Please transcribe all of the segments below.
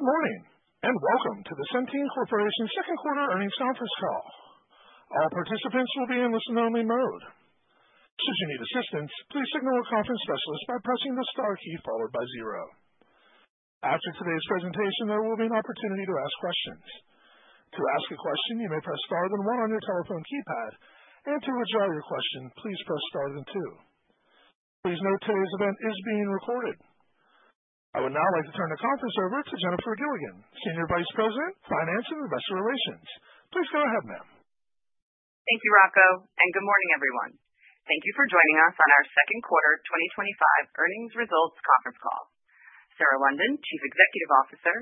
Good morning, and welcome to the Centene Corporation second-quarter earnings conference call. All participants will be in listen-only mode. Should you need assistance, please signal a conference specialist by pressing the star key followed by zero. After today's presentation, there will be an opportunity to ask questions. To ask a question, you may press star then one on your telephone keypad, and to withdraw your question, please press star then two. Please note today's event is being recorded. I would now like to turn the conference over to Jennifer Gilligan, Senior Vice President, Finance and Investor Relations. Please go ahead, ma'am. Thank you, Rocco, and good morning, everyone. Thank you for joining us on our second-quarter 2025 earnings results conference call. Sarah London, Chief Executive Officer,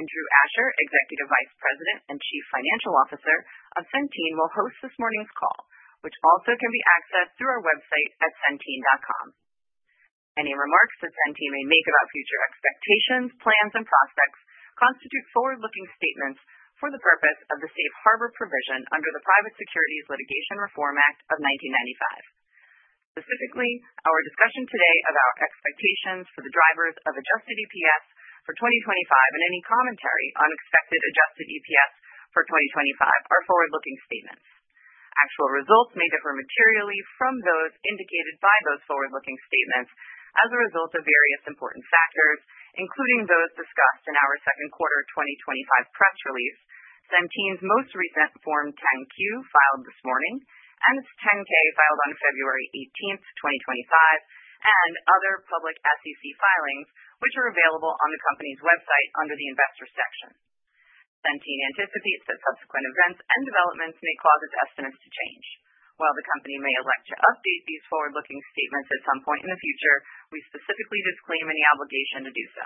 and Drew Asher, Executive Vice President and Chief Financial Officer of Centene, will host this morning's call, which also can be accessed through our website at centene.com. Any remarks that Centene may make about future expectations, plans, and prospects constitute forward-looking statements for the purpose of the safe harbor provision under the Private Securities Litigation Reform Act of 1995. Specifically, our discussion today about expectations for the drivers of Adjusted EPS for 2025 and any commentary on expected Adjusted EPS for 2025 are forward-looking statements. Actual results may differ materially from those indicated by those forward-looking statements as a result of various important factors, including those discussed in our second-quarter 2025 press release, Centene's most recent Form 10-Q filed this morning, and its 10-K filed on February 18th, 2025, and other public SEC filings, which are available on the company's website under the Investor section. Centene anticipates that subsequent events and developments may cause its estimates to change. While the company may elect to update these forward-looking statements at some point in the future, we specifically disclaim any obligation to do so.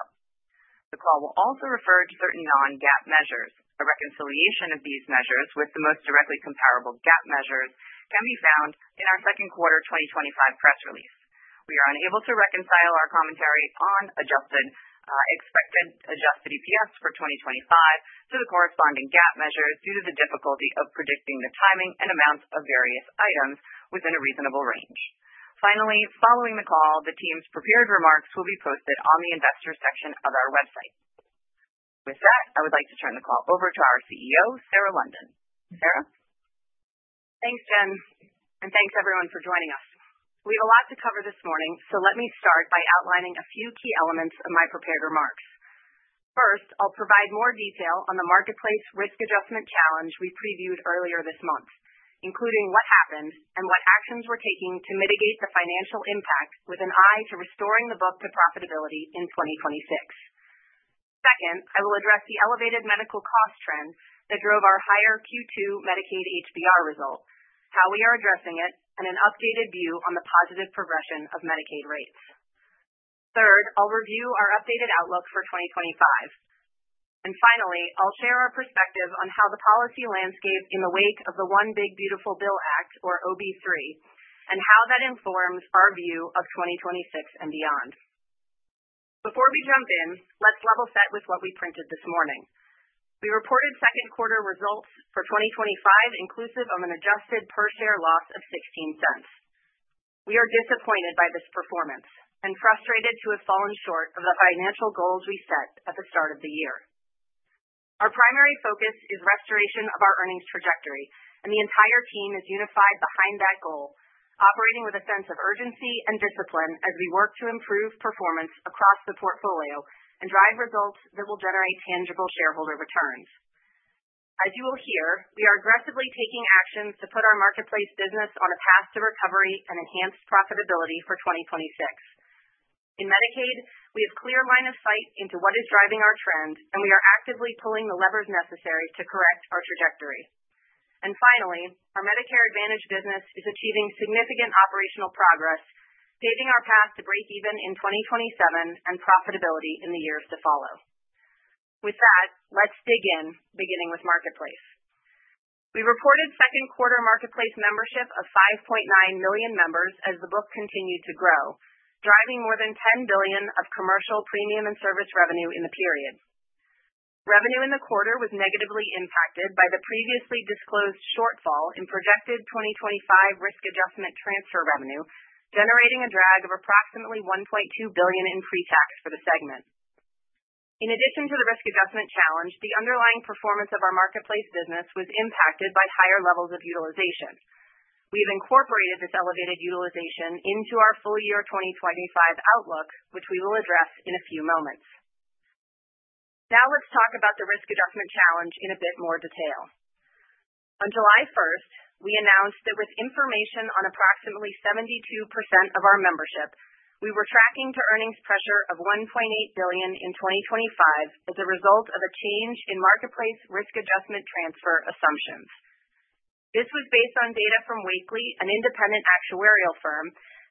The call will also refer to certain non-GAAP measures. A reconciliation of these measures with the most directly comparable GAAP measures can be found in our second-quarter 2025 press release. We are unable to reconcile our commentary on expected Adjusted EPS for 2025 to the corresponding GAAP measures due to the difficulty of predicting the timing and amounts of various items within a reasonable range. Finally, following the call, the team's prepared remarks will be posted on the Investor section of our website. With that, I would like to turn the call over to our CEO, Sarah London. Sarah? Thanks, Jen, and thanks, everyone, for joining us. We have a lot to cover this morning, so let me start by outlining a few key elements of my prepared remarks. First, I'll provide more detail on the Marketplace Risk adjustment challenge we previewed earlier this month, including what happened and what actions we're taking to mitigate the financial impact with an eye to restoring the book to profitability in 2026. Second, I will address the elevated medical cost trend that drove our higher Q2 Medicaid HBR result, how we are addressing it, and an updated view on the positive progression of Medicaid rates. Third, I'll review our updated outlook for 2025. Finally, I'll share our perspective on how the policy landscape in the wake of the One Big Beautiful Bill Act, or OB-3, and how that informs our view of 2026 and beyond. Before we jump in, let's level set with what we printed this morning. We reported second-quarter results for 2025 inclusive of an adjusted per-share loss of $0.16. We are disappointed by this performance and frustrated to have fallen short of the financial goals we set at the start of the year. Our primary focus is restoration of our earnings trajectory, and the entire team is unified behind that goal, operating with a sense of urgency and discipline as we work to improve performance across the portfolio and drive results that will generate tangible shareholder returns. As you will hear, we are aggressively taking actions to put our Marketplace business on a path to recovery and enhanced profitability for 2026. In Medicaid, we have a clear line of sight into what is driving our trend, and we are actively pulling the levers necessary to correct our trajectory. Finally, our Medicare Advantage business is achieving significant operational progress, paving our path to break-even in 2027 and profitability in the years to follow. With that, let's dig in, beginning with Marketplace. We reported second-quarter Marketplace membership of 5.9 million members as the book continued to grow, driving more than $10 billion of commercial premium and service revenue in the period. Revenue in the quarter was negatively impacted by the previously disclosed shortfall in projected 2025 risk adjustment transfer revenue, generating a drag of approximately $1.2 billion in pre-tax for the segment. In addition to the risk adjustment challenge, the underlying performance of our Marketplace business was impacted by higher levels of utilization. We have incorporated this elevated utilization into our full-year 2025 outlook, which we will address in a few moments. Now let's talk about the risk adjustment challenge in a bit more detail. On July 1st, we announced that with information on approximately 72% of our membership, we were tracking to earnings pressure of $1.8 billion in 2025 as a result of a change in Marketplace risk adjustment transfer assumptions. This was based on data from Wakely, an independent actuarial firm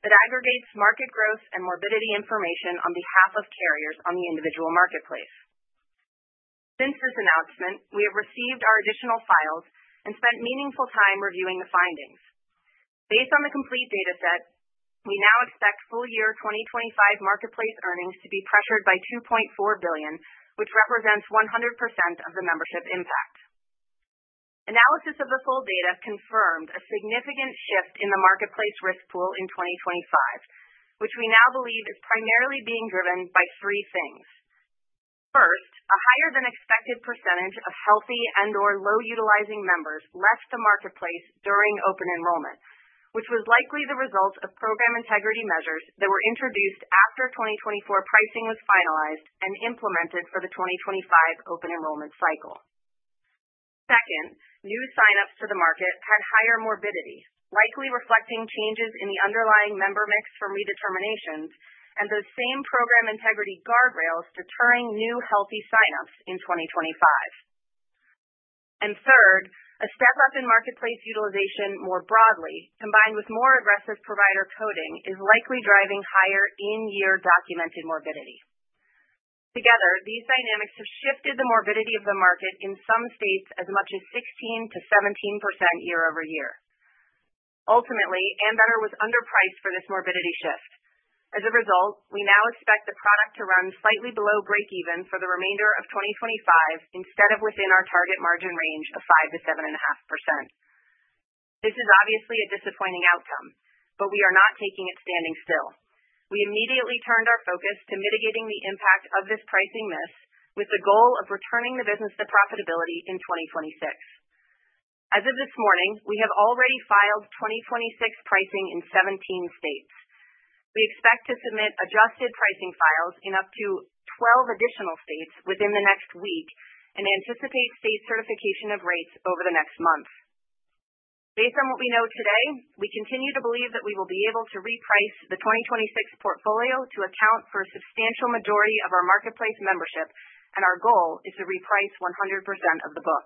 that aggregates market growth and morbidity information on behalf of carriers on the individual Marketplace. Since this announcement, we have received our additional files and spent meaningful time reviewing the findings. Based on the complete data set, we now expect full-year 2025 Marketplace earnings to be pressured by $2.4 billion, which represents 100% of the membership impact. Analysis of the full data confirmed a significant shift in the Marketplace risk pool in 2025, which we now believe is primarily being driven by three things. First, a higher-than-expected percentage of healthy and/or low-utilizing members left the Marketplace during open enrollment, which was likely the result of program integrity measures that were introduced after 2024 pricing was finalized and implemented for the 2025 open enrollment cycle. Second, new signups to the market had higher morbidity, likely reflecting changes in the underlying member mix from redeterminations and those same program integrity guardrails deterring new healthy signups in 2025. Third, a step-up in Marketplace utilization more broadly, combined with more aggressive provider coding, is likely driving higher in-year documented morbidity. Together, these dynamics have shifted the morbidity of the market in some states as much as 16%-17% year-over-year. Ultimately, Ambetter was underpriced for this morbidity shift. As a result, we now expect the product to run slightly below break-even for the remainder of 2025 instead of within our target margin range of 5%-7.5%. This is obviously a disappointing outcome, but we are not taking it standing still. We immediately turned our focus to mitigating the impact of this pricing miss with the goal of returning the business to profitability in 2026. As of this morning, we have already filed 2026 pricing in 17 states. We expect to submit adjusted pricing files in up to 12 additional states within the next week and anticipate state certification of rates over the next month. Based on what we know today, we continue to believe that we will be able to reprice the 2026 portfolio to account for a substantial majority of our Marketplace membership, and our goal is to reprice 100% of the book.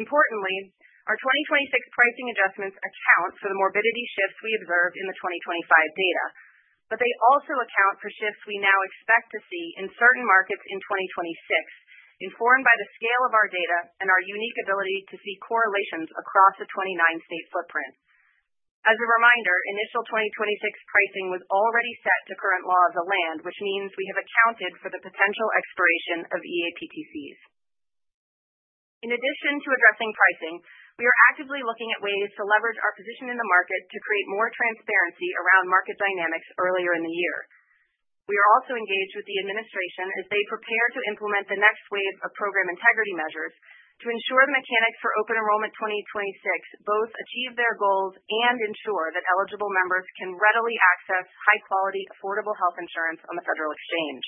Importantly, our 2026 pricing adjustments account for the morbidity shifts we observed in the 2025 data, but they also account for shifts we now expect to see in certain markets in 2026, informed by the scale of our data and our unique ability to see correlations across a 29-state footprint. As a reminder, initial 2026 pricing was already set to current laws of land, which means we have accounted for the potential expiration of EAPTCs. In addition to addressing pricing, we are actively looking at ways to leverage our position in the market to create more transparency around market dynamics earlier in the year. We are also engaged with the administration as they prepare to implement the next wave of program integrity measures to ensure the mechanics for open enrollment 2026 both achieve their goals and ensure that eligible members can readily access high-quality, affordable health insurance on the Federal Exchange.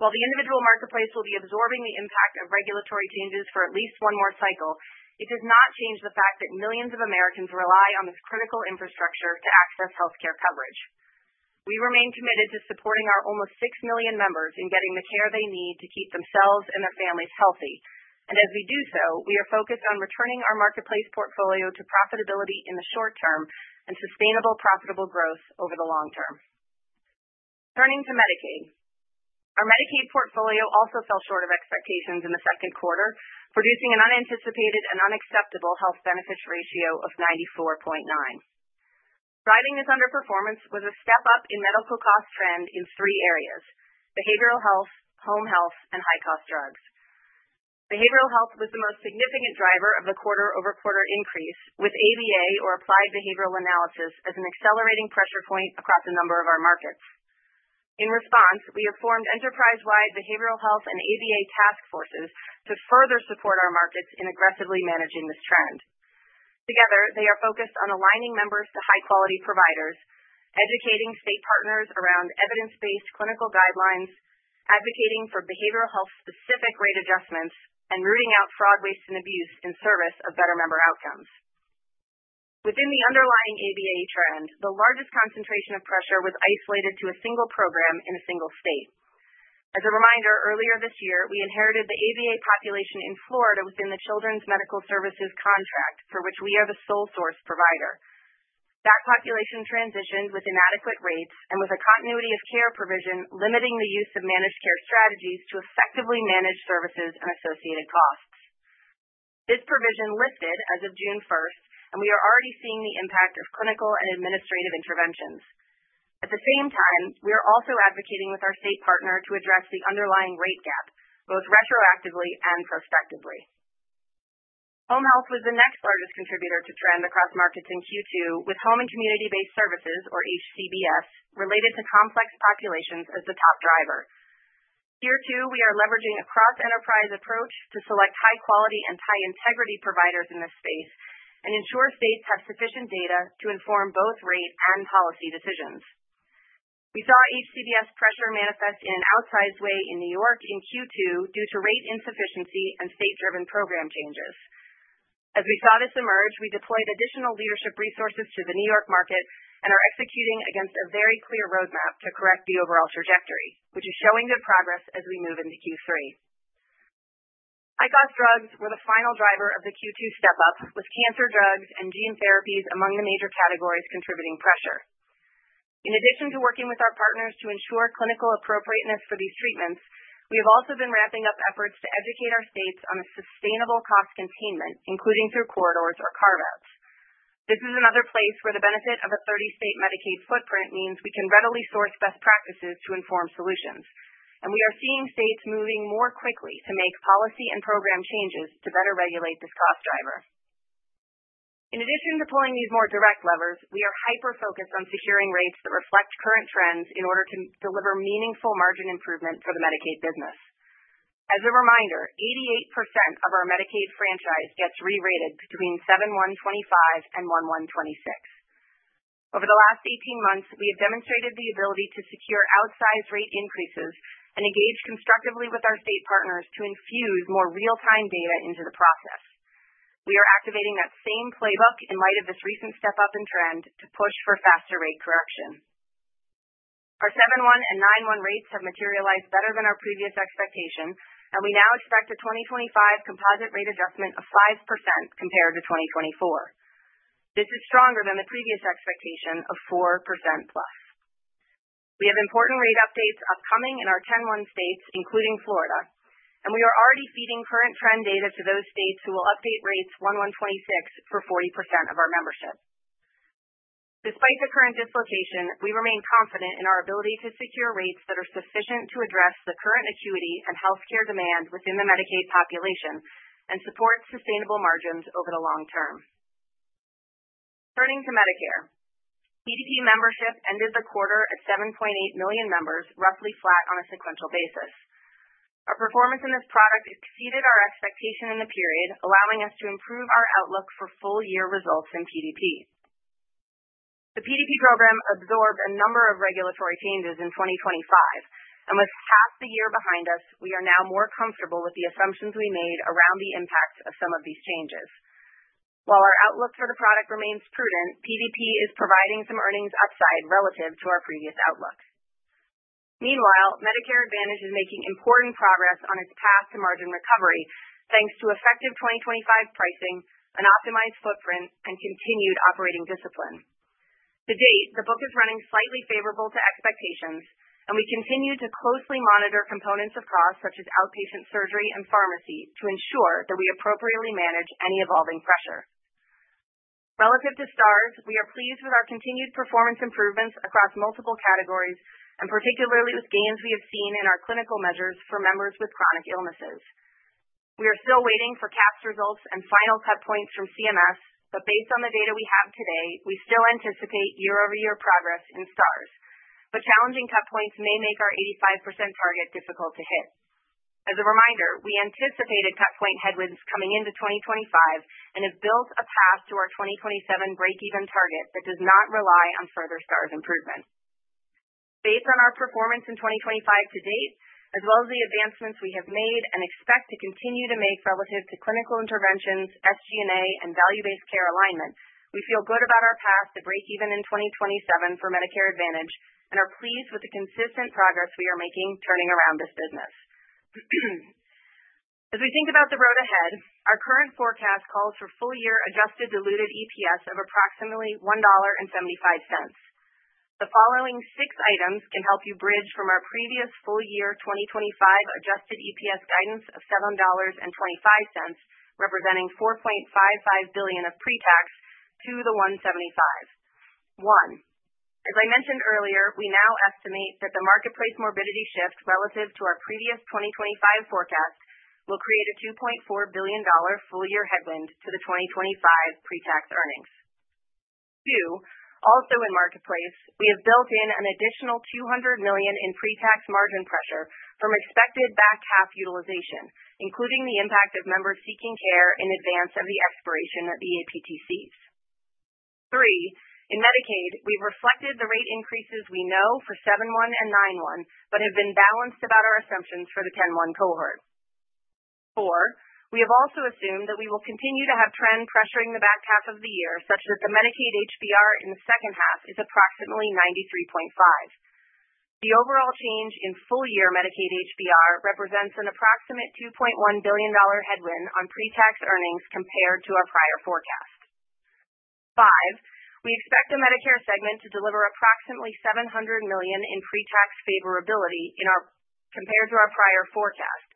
While the individual marketplace will be absorbing the impact of regulatory changes for at least one more cycle, it does not change the fact that millions of Americans rely on this critical infrastructure to access healthcare coverage. We remain committed to supporting our almost 6 million members in getting the care they need to keep themselves and their families healthy, and as we do so, we are focused on returning our marketplace portfolio to profitability in the short term and sustainable profitable growth over the long term. Turning to Medicaid, our Medicaid portfolio also fell short of expectations in the second quarter, producing an unanticipated and unacceptable Health Benefits Ratio of 94.9%. Driving this underperformance was a step-up in medical cost trend in three areas: behavioral health, home health, and high-cost drugs. Behavioral health was the most significant driver of the quarter-over-quarter increase, with ABA, or Applied Behavior Analysis, as an accelerating pressure point across a number of our markets. In response, we have formed enterprise-wide behavioral health and ABA task forces to further support our markets in aggressively managing this trend. Together, they are focused on aligning members to high-quality providers, educating state partners around evidence-based clinical guidelines, advocating for behavioral health-specific rate adjustments, and rooting out fraud, waste, and abuse in service of better member outcomes. Within the underlying ABA trend, the largest concentration of pressure was isolated to a single program in a single state. As a reminder, earlier this year, we inherited the ABA population in Florida within the Children's Medical Services contract for which we are the sole source provider. That population transitioned with inadequate rates and with a continuity-of-care provision limiting the use of managed care strategies to effectively manage services and associated costs. This provision lifted as of June 1st, and we are already seeing the impact of clinical and administrative interventions. At the same time, we are also advocating with our state partner to address the underlying rate gap, both retroactively and prospectively. Home health was the next largest contributor to trend across markets in Q2, with Home and Community-Based Services, or HCBS, related to complex populations as the top driver. Here too, we are leveraging a cross-enterprise approach to select high-quality and high-integrity providers in this space and ensure states have sufficient data to inform both rate and policy decisions. We saw HCBS pressure manifest in an outsized way in New York in Q2 due to rate insufficiency and state-driven program changes. As we saw this emerge, we deployed additional leadership resources to the New York market and are executing against a very clear roadmap to correct the overall trajectory, which is showing good progress as we move into Q3. High-cost drugs were the final driver of the Q2 step-up, with cancer drugs and gene therapies among the major categories contributing pressure. In addition to working with our partners to ensure clinical appropriateness for these treatments, we have also been wrapping up efforts to educate our states on a sustainable cost containment, including through corridors or carve-outs. This is another place where the benefit of a 30-state Medicaid footprint means we can readily source best practices to inform solutions, and we are seeing states moving more quickly to make policy and program changes to better regulate this cost driver. In addition to pulling these more direct levers, we are hyper-focused on securing rates that reflect current trends in order to deliver meaningful margin improvement for the Medicaid business. As a reminder, 88% of our Medicaid franchise gets re-rated between 7/1/2025 and 1/1/2026. Over the last 18 months, we have demonstrated the ability to secure outsized rate increases and engage constructively with our state partners to infuse more real-time data into the process. We are activating that same playbook in light of this recent step-up in trend to push for faster rate correction. Our 7/1 and 9/1 rates have materialized better than our previous expectation, and we now expect a 2025 composite rate adjustment of 5% compared to 2024. This is stronger than the previous expectation of 4%+. We have important rate updates upcoming in our 10/1 states, including Florida, and we are already feeding current trend data to those states who will update rates 1/1/2026 for 40% of our membership. Despite the current dislocation, we remain confident in our ability to secure rates that are sufficient to address the current acuity and healthcare demand within the Medicaid population and support sustainable margins over the long term. Turning to Medicare, PDP membership ended the quarter at 7.8 million members, roughly flat on a sequential basis. Our performance in this product exceeded our expectation in the period, allowing us to improve our outlook for full-year results in PDP. The PDP program absorbed a number of regulatory changes in 2025, and with half the year behind us, we are now more comfortable with the assumptions we made around the impact of some of these changes. While our outlook for the product remains prudent, PDP is providing some earnings upside relative to our previous outlook. Meanwhile, Medicare Advantage is making important progress on its path to margin recovery thanks to effective 2025 pricing, an optimized footprint, and continued operating discipline. To date, the book is running slightly favorable to expectations, and we continue to closely monitor components of costs such as outpatient surgery and pharmacy to ensure that we appropriately manage any evolving pressure. Relative to STARS, we are pleased with our continued performance improvements across multiple categories and particularly with gains we have seen in our clinical measures for members with chronic illnesses. We are still waiting for CAHPS results and final cut points from CMS, but based on the data we have today, we still anticipate year-over-year progress in STARS, but challenging cut points may make our 85% target difficult to hit. As a reminder, we anticipated cut point headwinds coming into 2025 and have built a path to our 2027 break-even target that does not rely on further STARS improvement. Based on our performance in 2025 to date, as well as the advancements we have made and expect to continue to make relative to clinical interventions, SG&A, and value-based care alignment, we feel good about our path to break-even in 2027 for Medicare Advantage and are pleased with the consistent progress we are making turning around this business. As we think about the road ahead, our current forecast calls for full-year adjusted diluted EPS of approximately $1.75. The following six items can help you bridge from our previous full-year 2025 Adjusted EPS guidance of $7.25, representing $4.55 billion of pre-tax, to the $1.75. One, as I mentioned earlier, we now estimate that the Marketplace morbidity shift relative to our previous 2025 forecast will create a $2.4 billion full-year headwind to the 2025 pre-tax earnings. Two, also in Marketplace, we have built in an additional $200 million in pre-tax margin pressure from expected back half utilization, including the impact of members seeking care in advance of the expiration of EAPTCs. Three, in Medicaid, we've reflected the rate increases we know for 7/1 and 9/1 but have been balanced about our assumptions for the 10/1 cohort. Four, we have also assumed that we will continue to have trend pressuring the back half of the year such that the Medicaid HBR in the second half is approximately 93.5%. The overall change in full-year Medicaid HBR represents an approximate $2.1 billion headwind on pre-tax earnings compared to our prior forecast. Five, we expect the Medicare segment to deliver approximately $700 million in pre-tax favorability compared to our prior forecast,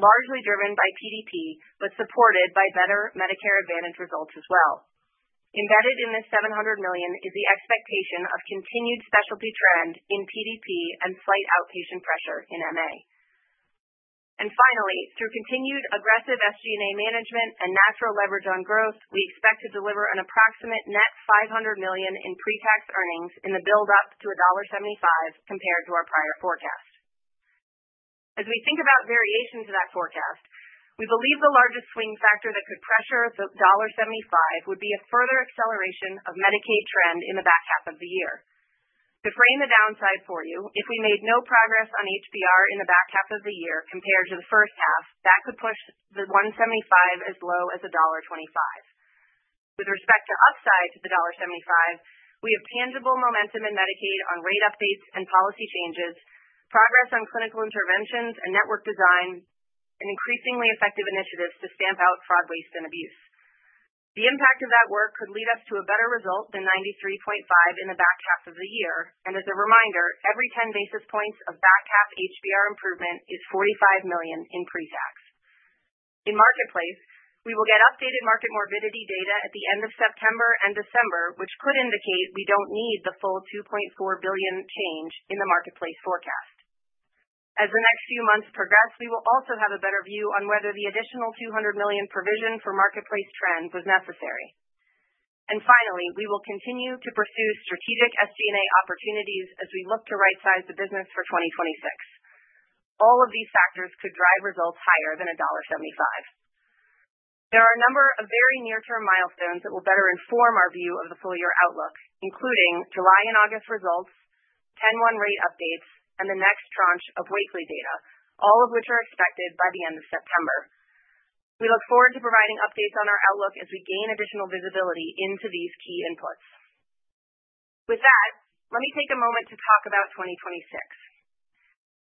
largely driven by PDP but supported by better Medicare Advantage results as well. Embedded in this $700 million is the expectation of continued specialty trend in PDP and slight outpatient pressure in MA. Finally, through continued aggressive SG&A management and natural leverage on growth, we expect to deliver an approximate net $500 million in pre-tax earnings in the build-up to $1.75 compared to our prior forecast. As we think about variation to that forecast, we believe the largest swing factor that could pressure the $1.75 would be a further acceleration of Medicaid trend in the back half of the year. To frame the downside for you, if we made no progress on HBR in the back half of the year compared to the first half, that could push the $1.75 as low as $1.25. With respect to upside to the $1.75, we have tangible momentum in Medicaid on rate updates and policy changes, progress on clinical interventions and network design, and increasingly effective initiatives to stamp out fraud, waste, and abuse. The impact of that work could lead us to a better result than 93.5 in the back half of the year, and as a reminder, every 10 basis points of back half HBR improvement is $45 million in pre-tax. In Marketplace, we will get updated market morbidity data at the end of September and December, which could indicate we do not need the full $2.4 billion change in the Marketplace forecast. As the next few months progress, we will also have a better view on whether the additional $200 million provision for Marketplace trend was necessary. Finally, we will continue to pursue strategic SG&A opportunities as we look to right-size the business for 2026. All of these factors could drive results higher than $1.75. There are a number of very near-term milestones that will better inform our view of the full-year outlook, including July and August results, 10/1 rate updates, and the next tranche of weekly data, all of which are expected by the end of September. We look forward to providing updates on our outlook as we gain additional visibility into these key inputs. With that, let me take a moment to talk about 2026.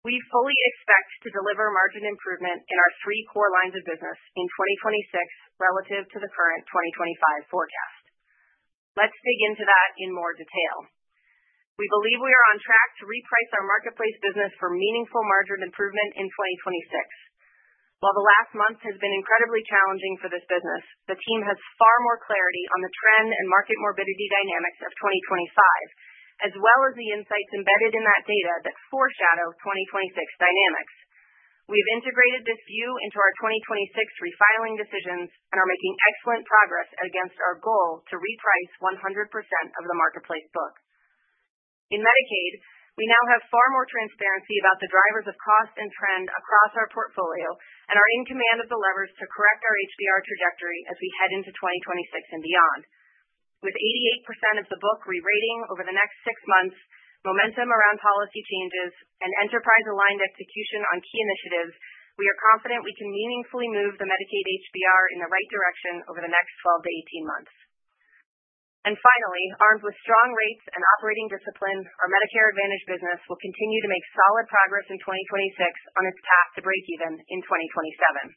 We fully expect to deliver margin improvement in our three core lines of business in 2026 relative to the current 2025 forecast. Let's dig into that in more detail. We believe we are on track to reprice our Marketplace business for meaningful margin improvement in 2026. While the last month has been incredibly challenging for this business, the team has far more clarity on the trend and market morbidity dynamics of 2025, as well as the insights embedded in that data that foreshadow 2026 dynamics. We have integrated this view into our 2026 refiling decisions and are making excellent progress against our goal to reprice 100% of the Marketplace book. In Medicaid, we now have far more transparency about the drivers of cost and trend across our portfolio and are in command of the levers to correct our HBR trajectory as we head into 2026 and beyond. With 88% of the book re-rating over the next six months, momentum around policy changes, and enterprise-aligned execution on key initiatives, we are confident we can meaningfully move the Medicaid HBR in the right direction over the next 12-18 months. Finally, armed with strong rates and operating discipline, our Medicare Advantage business will continue to make solid progress in 2026 on its path to break-even in 2027.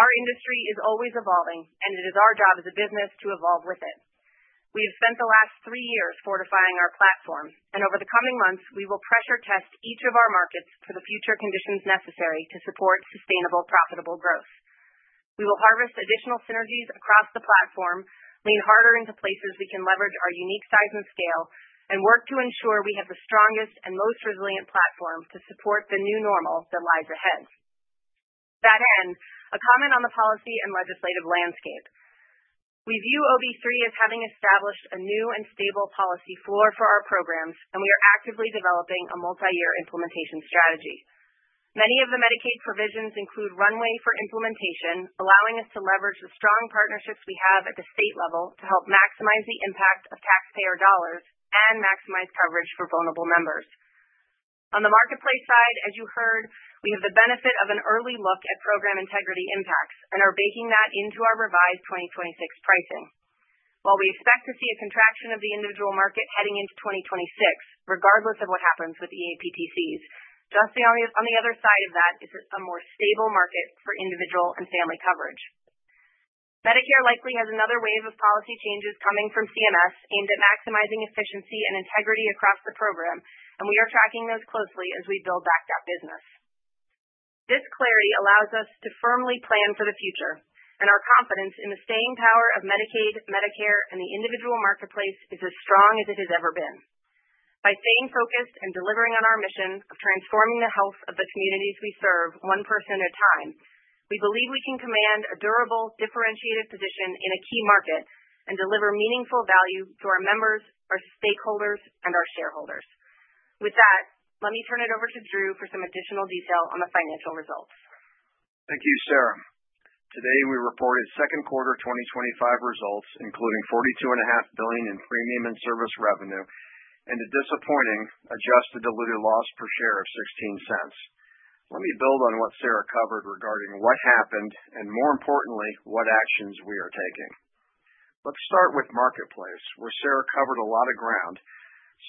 Our industry is always evolving, and it is our job as a business to evolve with it. We have spent the last three years fortifying our platform, and over the coming months, we will pressure test each of our markets for the future conditions necessary to support sustainable, profitable growth. We will harvest additional synergies across the platform, lean harder into places we can leverage our unique size and scale, and work to ensure we have the strongest and most resilient platform to support the new normal that lies ahead. To that end, a comment on the policy and legislative landscape. We view OB-3 as having established a new and stable policy floor for our programs, and we are actively developing a multi-year implementation strategy. Many of the Medicaid provisions include runway for implementation, allowing us to leverage the strong partnerships we have at the state level to help maximize the impact of taxpayer dollars and maximize coverage for vulnerable members. On the Marketplace side, as you heard, we have the benefit of an early look at program integrity impacts and are baking that into our revised 2026 pricing. While we expect to see a contraction of the individual market heading into 2026, regardless of what happens with EAPTCs, just on the other side of that is a more stable market for individual and family coverage. Medicare likely has another wave of policy changes coming from CMS aimed at maximizing efficiency and integrity across the program, and we are tracking those closely as we build back that business. This clarity allows us to firmly plan for the future, and our confidence in the staying power of Medicaid, Medicare, and the individual Marketplace is as strong as it has ever been. By staying focused and delivering on our mission of transforming the health of the communities we serve one person at a time, we believe we can command a durable, differentiated position in a key market and deliver meaningful value to our members, our stakeholders, and our shareholders. With that, let me turn it over to Drew for some additional detail on the financial results. Thank you, Sarah. Today, we reported second quarter 2025 results, including $42.5 billion in premium and service revenue and a disappointing adjusted diluted loss per share of $0.16. Let me build on what Sarah covered regarding what happened and, more importantly, what actions we are taking. Let's start with Marketplace, where Sarah covered a lot of ground.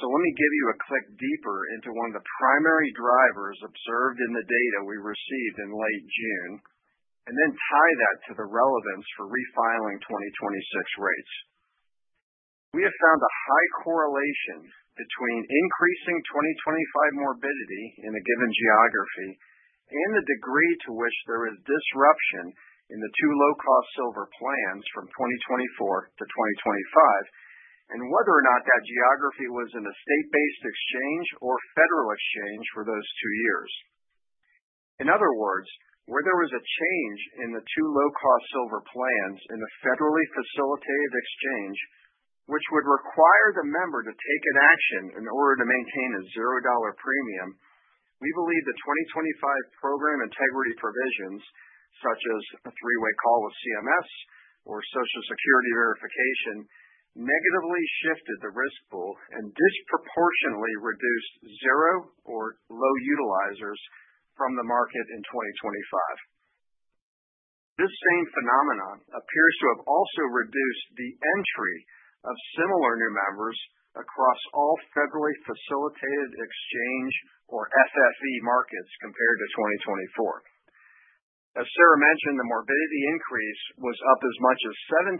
Let me give you a click deeper into one of the primary drivers observed in the data we received in late June and then tie that to the relevance for refiling 2026 rates. We have found a high correlation between increasing 2025 morbidity in a given geography and the degree to which there is disruption in the two low-cost silver plans from 2024-2025, and whether or not that geography was in a state-based exchange or federal exchange for those two years. In other words, where there was a change in the two low-cost silver plans in a federally facilitated exchange, which would require the member to take an action in order to maintain a $0 premium, we believe the 2025 program integrity provisions, such as a three-way call with CMS or Social Security verification, negatively shifted the risk pool and disproportionately reduced zero or low utilizers from the market in 2025. This same phenomenon appears to have also reduced the entry of similar new members across all federally facilitated exchange or FFE markets compared to 2024. As Sarah mentioned, the morbidity increase was up as much as 17%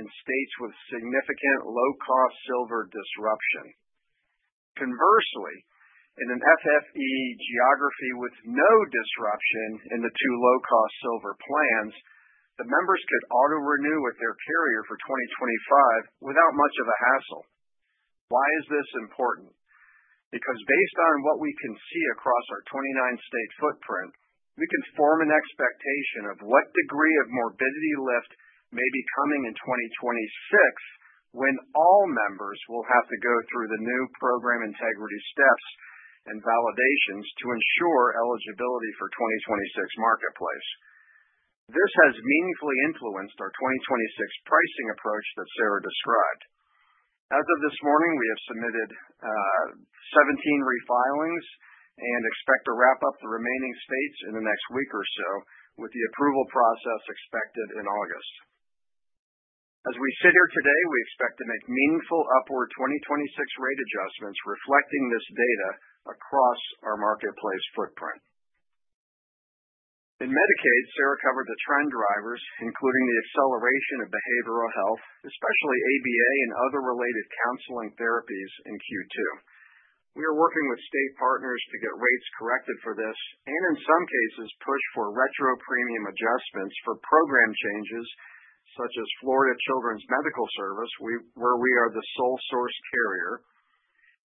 in states with significant low-cost silver disruption. Conversely, in an FFE geography with no disruption in the two low-cost silver plans, the members could auto-renew with their carrier for 2025 without much of a hassle. Why is this important? Because based on what we can see across our 29-state footprint, we can form an expectation of what degree of morbidity lift may be coming in 2026 when all members will have to go through the new program integrity steps and validations to ensure eligibility for 2026 marketplace. This has meaningfully influenced our 2026 pricing approach that Sarah described. As of this morning, we have submitted 17 refilings and expect to wrap up the remaining states in the next week or so, with the approval process expected in August. As we sit here today, we expect to make meaningful upward 2026 rate adjustments reflecting this data across our marketplace footprint. In Medicaid, Sarah covered the trend drivers, including the acceleration of behavioral health, especially ABA and other related counseling therapies in Q2. We are working with state partners to get rates corrected for this and, in some cases, push for retro premium adjustments for program changes such as Florida Children's Medical Services, where we are the sole source carrier,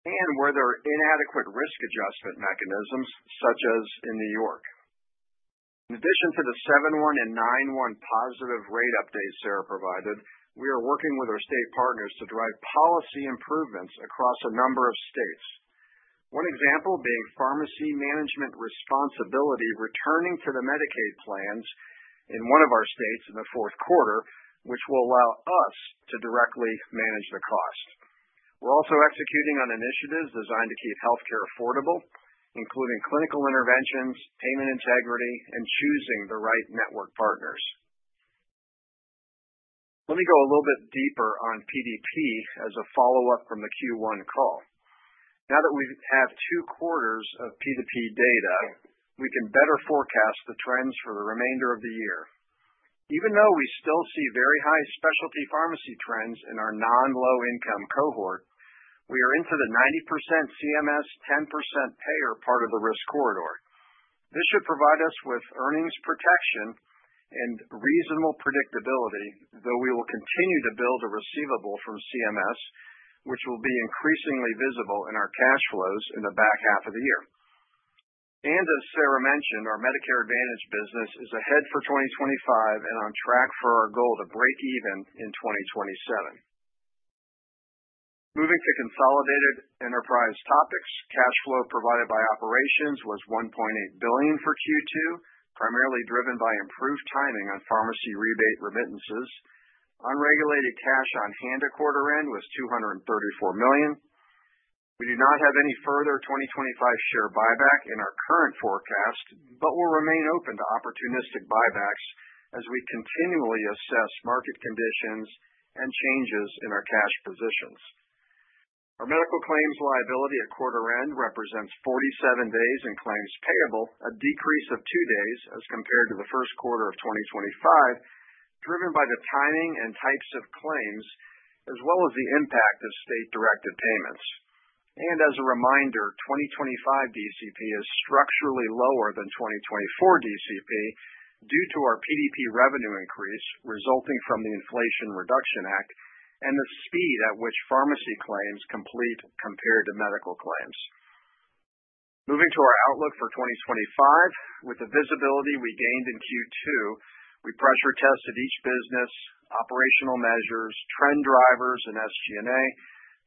and where there are inadequate risk adjustment mechanisms, such as in New York. In addition to the 7/1 and 9/1 positive rate updates Sarah provided, we are working with our state partners to drive policy improvements across a number of states. One example being pharmacy management responsibility returning to the Medicaid plans in one of our states in the fourth quarter, which will allow us to directly manage the cost. We're also executing on initiatives designed to keep healthcare affordable, including clinical interventions, payment integrity, and choosing the right network partners. Let me go a little bit deeper on PDP as a follow-up from the Q1 call. Now that we have two quarters of PDP data, we can better forecast the trends for the remainder of the year. Even though we still see very high specialty pharmacy trends in our non-low-income cohort, we are into the 90% CMS, 10% payer part of the risk corridor. This should provide us with earnings protection and reasonable predictability, though we will continue to build a receivable from CMS, which will be increasingly visible in our cash flows in the back half of the year. As Sarah mentioned, our Medicare Advantage business is ahead for 2025 and on track for our goal to break even in 2027. Moving to consolidated enterprise topics, cash flow provided by operations was $1.8 billion for Q2, primarily driven by improved timing on pharmacy rebate remittances. Unregulated cash on hand at quarter-end was $234 million. We do not have any further 2025 share buyback in our current forecast, but we'll remain open to opportunistic buybacks as we continually assess market conditions and changes in our cash positions. Our medical claims liability at quarter-end represents 47 days in claims payable, a decrease of two days as compared to the first quarter of 2025, driven by the timing and types of claims, as well as the impact of state-directed payments. As a reminder, 2025 DCP is structurally lower than 2024 DCP due to our PDP revenue increase resulting from the Inflation Reduction Act and the speed at which pharmacy claims complete compared to medical claims. Moving to our outlook for 2025, with the visibility we gained in Q2, we pressure tested each business, operational measures, trend drivers, and SG&A.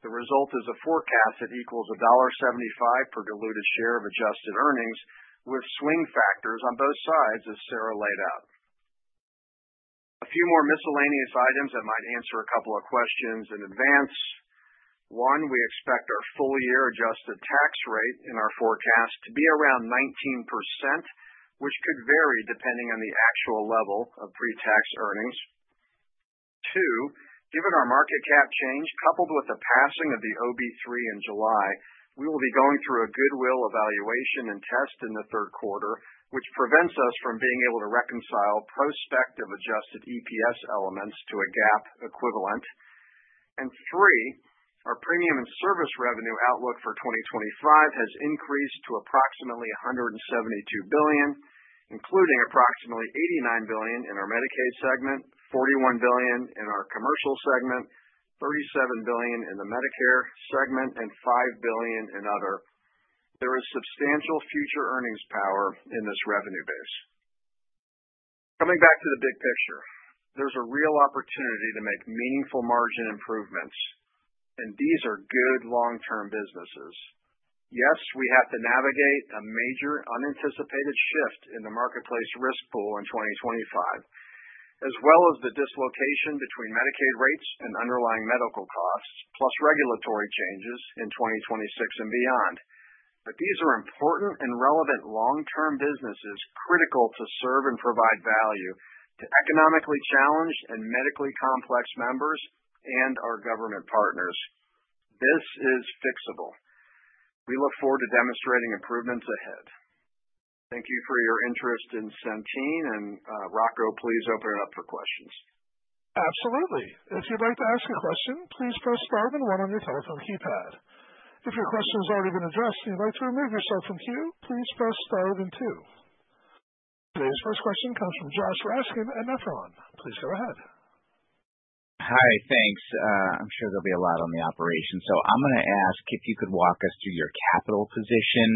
The result is a forecast that equals $1.75 per diluted share of adjusted earnings, with swing factors on both sides, as Sarah laid out. A few more miscellaneous items that might answer a couple of questions in advance. One, we expect our full-year adjusted tax rate in our forecast to be around 19%, which could vary depending on the actual level of pre-tax earnings. Two, given our market cap change coupled with the passing of the OB-3 in July, we will be going through a goodwill evaluation and test in the third quarter, which prevents us from being able to reconcile prospective Adjusted EPS elements to a GAAP equivalent. Three, our premium and service revenue outlook for 2025 has increased to approximately $172 billion, including approximately $89 billion in our Medicaid segment, $41 billion in our commercial segment, $37 billion in the Medicare segment, and $5 billion in other. There is substantial future earnings power in this revenue base. Coming back to the big picture, there's a real opportunity to make meaningful margin improvements, and these are good long-term businesses. Yes, we have to navigate a major unanticipated shift in the Marketplace risk pool in 2025, as well as the dislocation between Medicaid rates and underlying medical costs, plus regulatory changes in 2026 and beyond. These are important and relevant long-term businesses critical to serve and provide value to economically challenged and medically complex members and our government partners. This is fixable. We look forward to demonstrating improvements ahead. Thank you for your interest in Centene, and Rocco, please open it up for questions. Absolutely. If you'd like to ask a question, please press star then one on your telephone keypad. If your question has already been addressed and you'd like to remove yourself from queue, please press star then two. Today's first question comes from Josh Raskin at Nephron. Please go ahead. Hi, thanks. I'm sure there'll be a lot on the operations. So I'm going to ask if you could walk us through your capital position,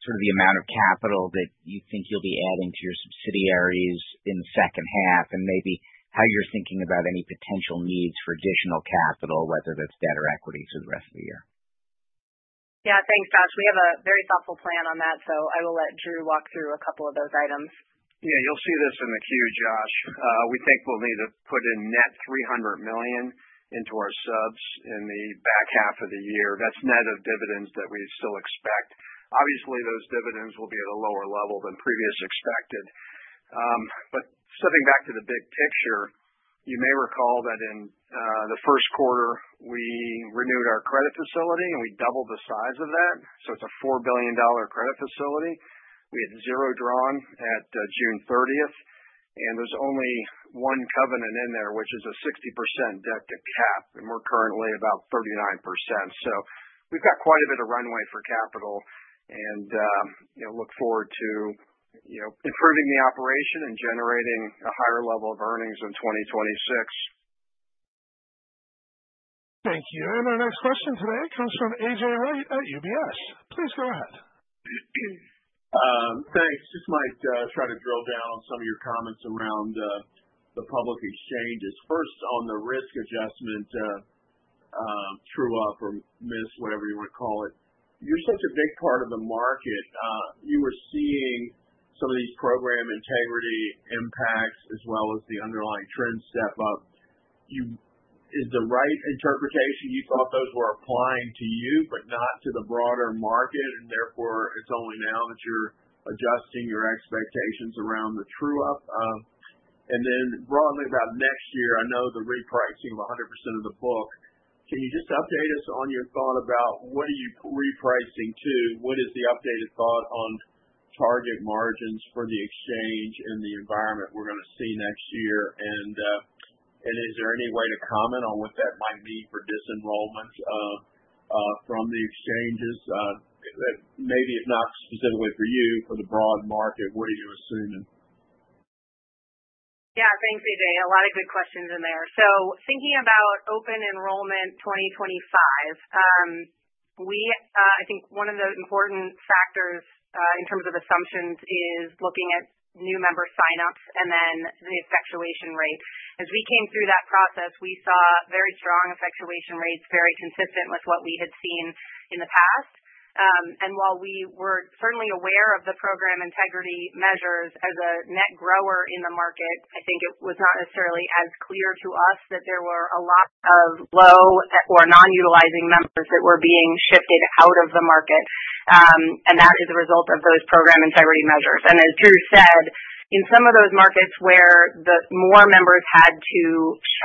sort of the amount of capital that you think you'll be adding to your subsidiaries in the second half, and maybe how you're thinking about any potential needs for additional capital, whether that's debt or equity for the rest of the year. Yeah, thanks, Josh. We have a very thoughtful plan on that, so I will let Drew walk through a couple of those items. Yeah, you'll see this in the queue, Josh. We think we'll need to put in net $300 million into our subs in the back half of the year. That's net of dividends that we still expect. Obviously, those dividends will be at a lower level than previously expected. But stepping back to the big picture, you may recall that in the first quarter, we renewed our credit facility and we doubled the size of that. So it's a $4 billion credit facility. We had zero drawn at June 30th, and there's only one covenant in there, which is a 60% debt to cap, and we're currently about 39%. So we've got quite a bit of runway for capital, and we look forward to improving the operation and generating a higher level of earnings in 2026. Thank you. And our next question today comes from A.J. Rice at UBS. Please go ahead. Thanks. Just might try to drill down on some of your comments around the public exchanges. First, on the risk adjustment true up or miss, whatever you want to call it, you're such a big part of the market. You were seeing some of these program integrity impacts as well as the underlying trend step up. Is the right interpretation you thought those were applying to you, but not to the broader market, and therefore it's only now that you're adjusting your expectations around the true up? And then broadly about next year, I know the repricing of 100% of the book. Can you just update us on your thought about what are you repricing to? What is the updated thought on target margins for the exchange and the environment we're going to see next year? And is there any way to comment on what that might mean for disenrollment from the exchanges? Maybe if not specifically for you, for the broad market, what are you assuming? Yeah, thanks, AJ. A lot of good questions in there. So thinking about open enrollment 2025. I think one of the important factors in terms of assumptions is looking at new member sign-ups and then the effectuation rate. As we came through that process, we saw very strong effectuation rates, very consistent with what we had seen in the past. While we were certainly aware of the program integrity measures as a net grower in the market, I think it was not necessarily as clear to us that there were a lot of low or non-utilizing members that were being shifted out of the market. That is a result of those program integrity measures. As Drew said, in some of those markets where more members had to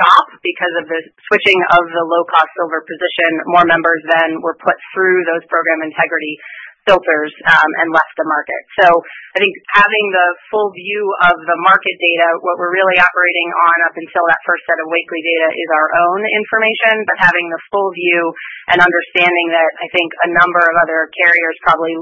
shop because of the switching of the low-cost silver position, more members then were put through those program integrity filters and left the market. I think having the full view of the market data, what we're really operating on up until that first set of weekly data is our own information, but having the full view and understanding that I think a number of other carriers probably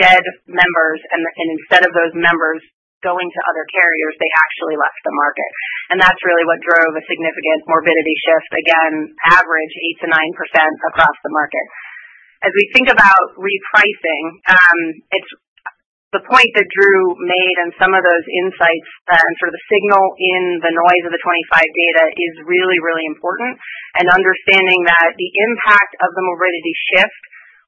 shed members, and instead of those members going to other carriers, they actually left the market. That's really what drove a significant morbidity shift, again, average 8%-9% across the market. As we think about repricing, the point that Drew made and some of those insights and sort of the signal in the noise of the 2025 data is really, really important. Understanding that the impact of the morbidity shift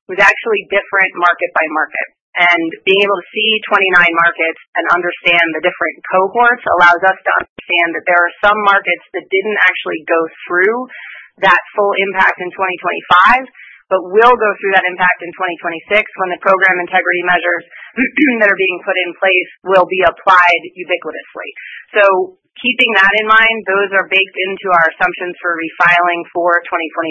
was actually different market by market, and being able to see 29 markets and understand the different cohorts allows us to understand that there are some markets that didn't actually go through that full impact in 2025, but will go through that impact in 2026 when the program integrity measures that are being put in place will be applied ubiquitously. Keeping that in mind, those are baked into our assumptions for refiling for 2026.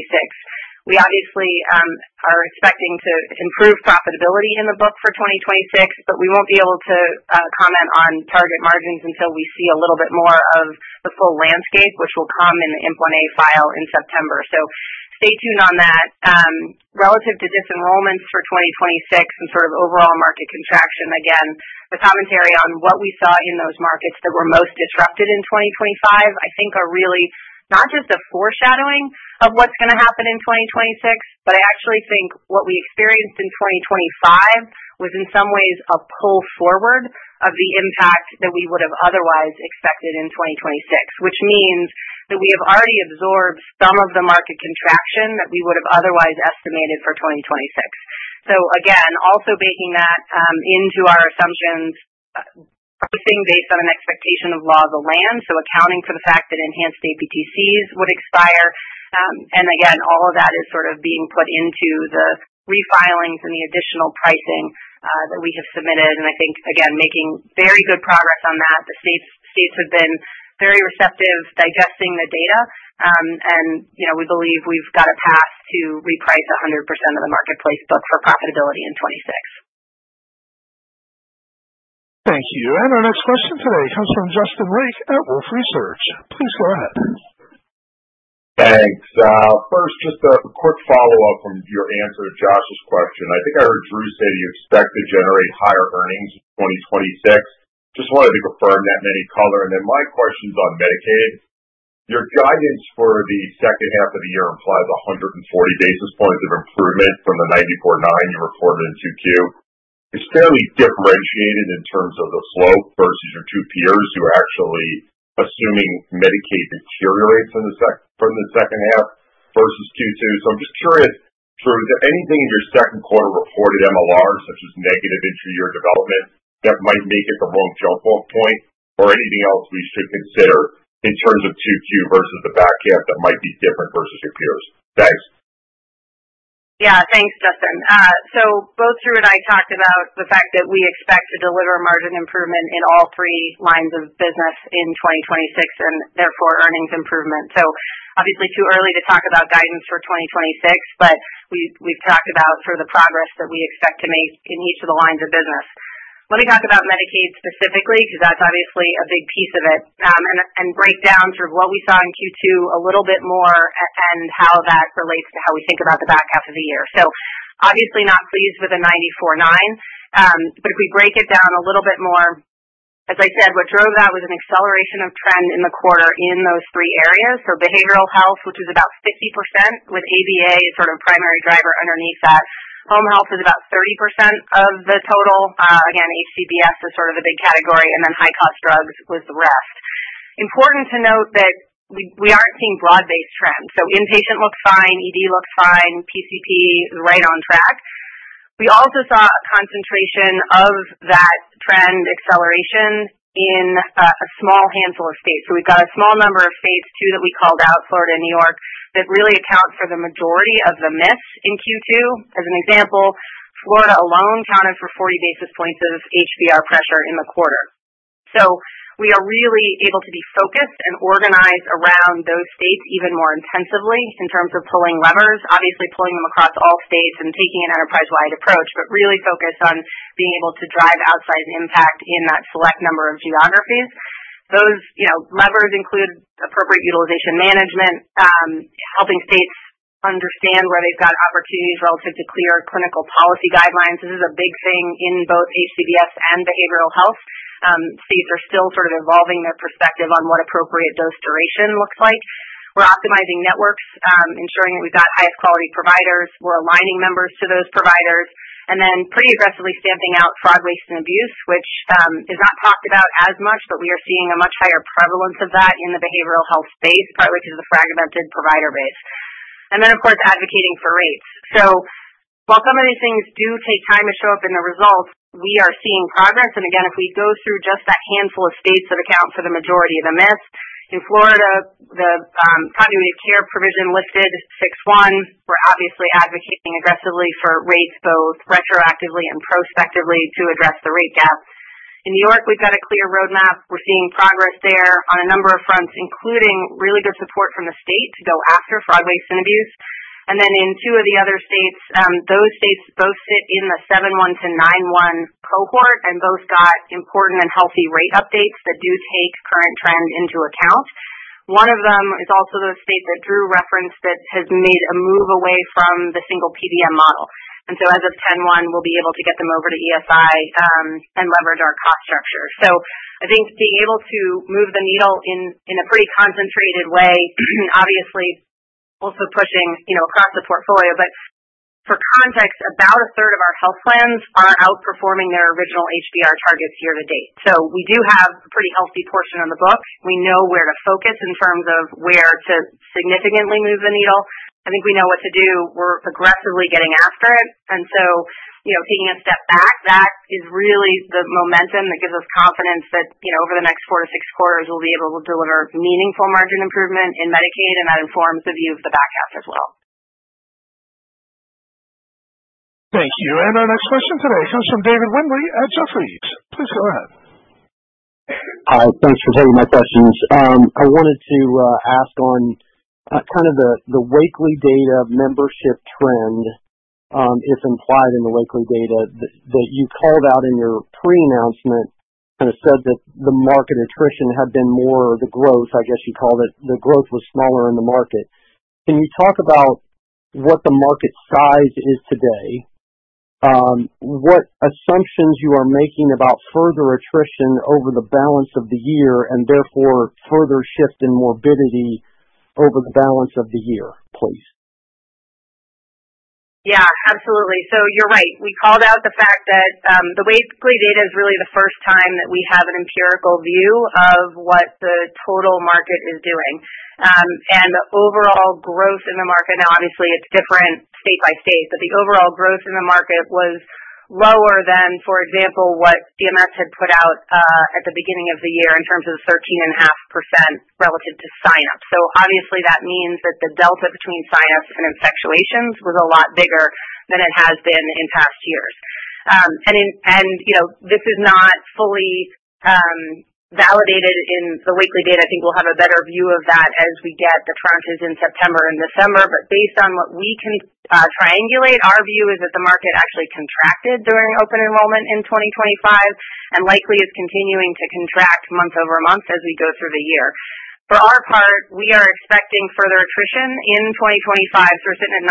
We obviously are expecting to improve profitability in the book for 2026, but we won't be able to comment on target margins until we see a little bit more of the full landscape, which will come in the Implan A file in September. Stay tuned on that. Relative to disenrollments for 2026 and sort of overall market contraction, again, the commentary on what we saw in those markets that were most disrupted in 2025, I think are really not just a foreshadowing of what's going to happen in 2026, but I actually think what we experienced in 2025 was in some ways a pull forward of the impact that we would have otherwise expected in 2026, which means that we have already absorbed some of the market contraction that we would have otherwise estimated for 2026. Again, also baking that into our assumptions. Pricing based on an expectation of law of the land, so accounting for the fact that enhanced EAPTCs would expire. All of that is sort of being put into the refilings and the additional pricing that we have submitted. I think, again, making very good progress on that. The states have been very receptive digesting the data, and we believe we've got a path to reprice 100% of the Marketplace book for profitability in 2026. Thank you. Our next question today comes from Justin Lake at Wolfe Research. Please go ahead. Thanks. First, just a quick follow-up on your answer to Josh's question. I think I heard Drew say that you expect to generate higher earnings in 2026. Just wanted to confirm that, any color. My question is on Medicaid. Your guidance for the second half of the year implies 140 basis points of improvement from the 94-90 reported in Q2. It's fairly differentiated in terms of the slope versus your two peers who are actually assuming Medicaid deteriorates from the second half versus Q2. I'm just curious, Drew, is there anything in your second quarter reported MLR, such as negative inter-year development, that might make it the wrong jump-off point, or anything else we should consider in terms of Q2 versus the back half that might be different versus your peers? Thanks. Yeah, thanks, Justin. Both Drew and I talked about the fact that we expect to deliver margin improvement in all three lines of business in 2026, and therefore earnings improvement. Obviously too early to talk about guidance for 2026, but we've talked about sort of the progress that we expect to make in each of the lines of business. Let me talk about Medicaid specifically, because that's obviously a big piece of it, and break down sort of what we saw in Q2 a little bit more and how that relates to how we think about the back half of the year. Obviously not pleased with the 94-90, but if we break it down a little bit more, as I said, what drove that was an acceleration of trend in the quarter in those three areas. Behavioral health, which is about 50%, with ABA as sort of a primary driver underneath that. Home health was about 30% of the total. HCBS is sort of a big category, and then high-cost drugs was the rest. Important to note that we aren't seeing broad-based trends. Inpatient looks fine, ED looks fine, PCP is right on track. We also saw a concentration of that trend acceleration in a small handful of states. We've got a small number of states, two that we called out, Florida and New York, that really account for the majority of the miss in Q2. As an example, Florida alone accounted for 40 basis points of HBR pressure in the quarter. We are really able to be focused and organized around those states even more intensively in terms of pulling levers, obviously pulling them across all states and taking an enterprise-wide approach, but really focused on being able to drive outside impact in that select number of geographies. Those levers include appropriate utilization management. Helping states understand where they have got opportunities relative to clear clinical policy guidelines. This is a big thing in both HCBS and behavioral health. States are still sort of evolving their perspective on what appropriate dose duration looks like. We are optimizing networks, ensuring that we have got highest quality providers. We are aligning members to those providers. And then pretty aggressively stamping out fraud, waste, and abuse, which is not talked about as much, but we are seeing a much higher prevalence of that in the behavioral health space, partly because of the fragmented provider base. And then, of course, advocating for rates. While some of these things do take time to show up in the results, we are seeing progress. Again, if we go through just that handful of states that account for the majority of the miss, in Florida, the continuity of care provision lifted 6-1. We are obviously advocating aggressively for rates both retroactively and prospectively to address the rate gap. In New York, we have got a clear roadmap. We are seeing progress there on a number of fronts, including really good support from the state to go after fraud, waste, and abuse. In two of the other states, those states both sit in the 7/1 to 9/1 cohort and both got important and healthy rate updates that do take current trend into account. One of them is also the state that Drew referenced that has made a move away from the single PBM model. As of 10/1, we will be able to get them over to ESI and leverage our cost structure. I think being able to move the needle in a pretty concentrated way, obviously also pushing across the portfolio, but for context, about a third of our health plans are outperforming their original HBR targets year to date. We do have a pretty healthy portion of the book. We know where to focus in terms of where to significantly move the needle. I think we know what to do. We are aggressively getting after it. Taking a step back, that is really the momentum that gives us confidence that over the next four to six quarters, we will be able to deliver meaningful margin improvement in Medicaid, and that informs the view of the back half as well. Thank you. Our next question today comes from David Windley at Jefferies. Please go ahead. Hi. Thanks for taking my questions. I wanted to ask on kind of the weekly data membership trend. If implied in the weekly data that you called out in your pre-announcement, kind of said that the market attrition had been more the growth, I guess you called it. The growth was smaller in the market. Can you talk about what the market size is today? What assumptions you are making about further attrition over the balance of the year and therefore further shift in morbidity over the balance of the year, please? Yeah, absolutely. You're right. We called out the fact that the weekly data is really the first time that we have an empirical view of what the total market is doing. The overall growth in the market, now obviously it's different state by state, but the overall growth in the market was lower than, for example, what DMS had put out at the beginning of the year in terms of 13.5% relative to sign-ups. That means that the delta between sign-ups and effectuations was a lot bigger than it has been in past years. This is not fully validated in the weekly data. I think we'll have a better view of that as we get the tranches in September and December. Based on what we can triangulate, our view is that the market actually contracted during open enrollment in 2025 and likely is continuing to contract month over month as we go through the year. For our part, we are expecting further attrition in 2025. We're sitting at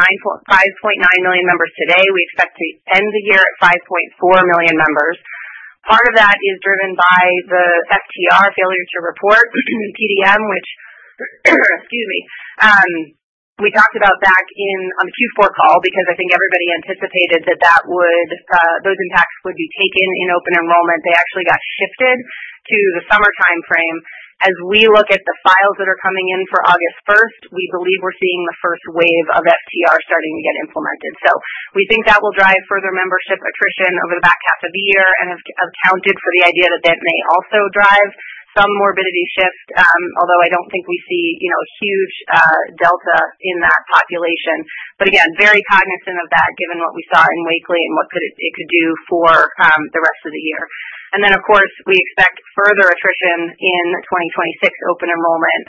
5.9 million members today. We expect to end the year at 5.4 million members. Part of that is driven by the FTR, failure to report, PDM, which, excuse me, we talked about back on the Q4 call because I think everybody anticipated that those impacts would be taken in open enrollment. They actually got shifted to the summertime frame. As we look at the files that are coming in for August 1st, we believe we're seeing the first wave of FTR starting to get implemented. We think that will drive further membership attrition over the back half of the year and have accounted for the idea that that may also drive some morbidity shift, although I don't think we see a huge delta in that population. Again, very cognizant of that, given what we saw in weekly and what it could do for the rest of the year. Of course, we expect further attrition in 2026 open enrollment.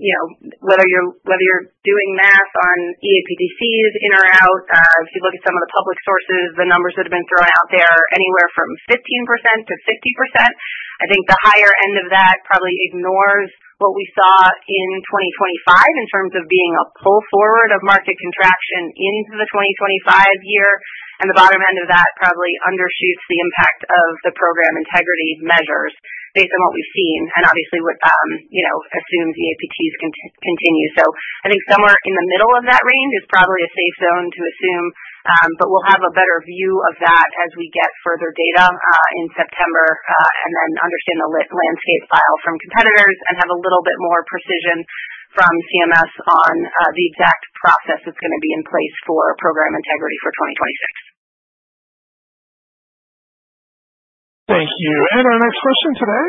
Whether you're doing math on EAPTCs in or out, if you look at some of the public sources, the numbers that have been thrown out there are anywhere from 15%-50%. I think the higher end of that probably ignores what we saw in 2025 in terms of being a pull forward of market contraction into the 2025 year. The bottom end of that probably undershoots the impact of the program integrity measures based on what we've seen and obviously assumes EAPTCs continue. I think somewhere in the middle of that range is probably a safe zone to assume, but we'll have a better view of that as we get further data in September and then understand the landscape file from competitors and have a little bit more precision from CMS on the exact process that's going to be in place for program integrity for 2026. Thank you. Our next question today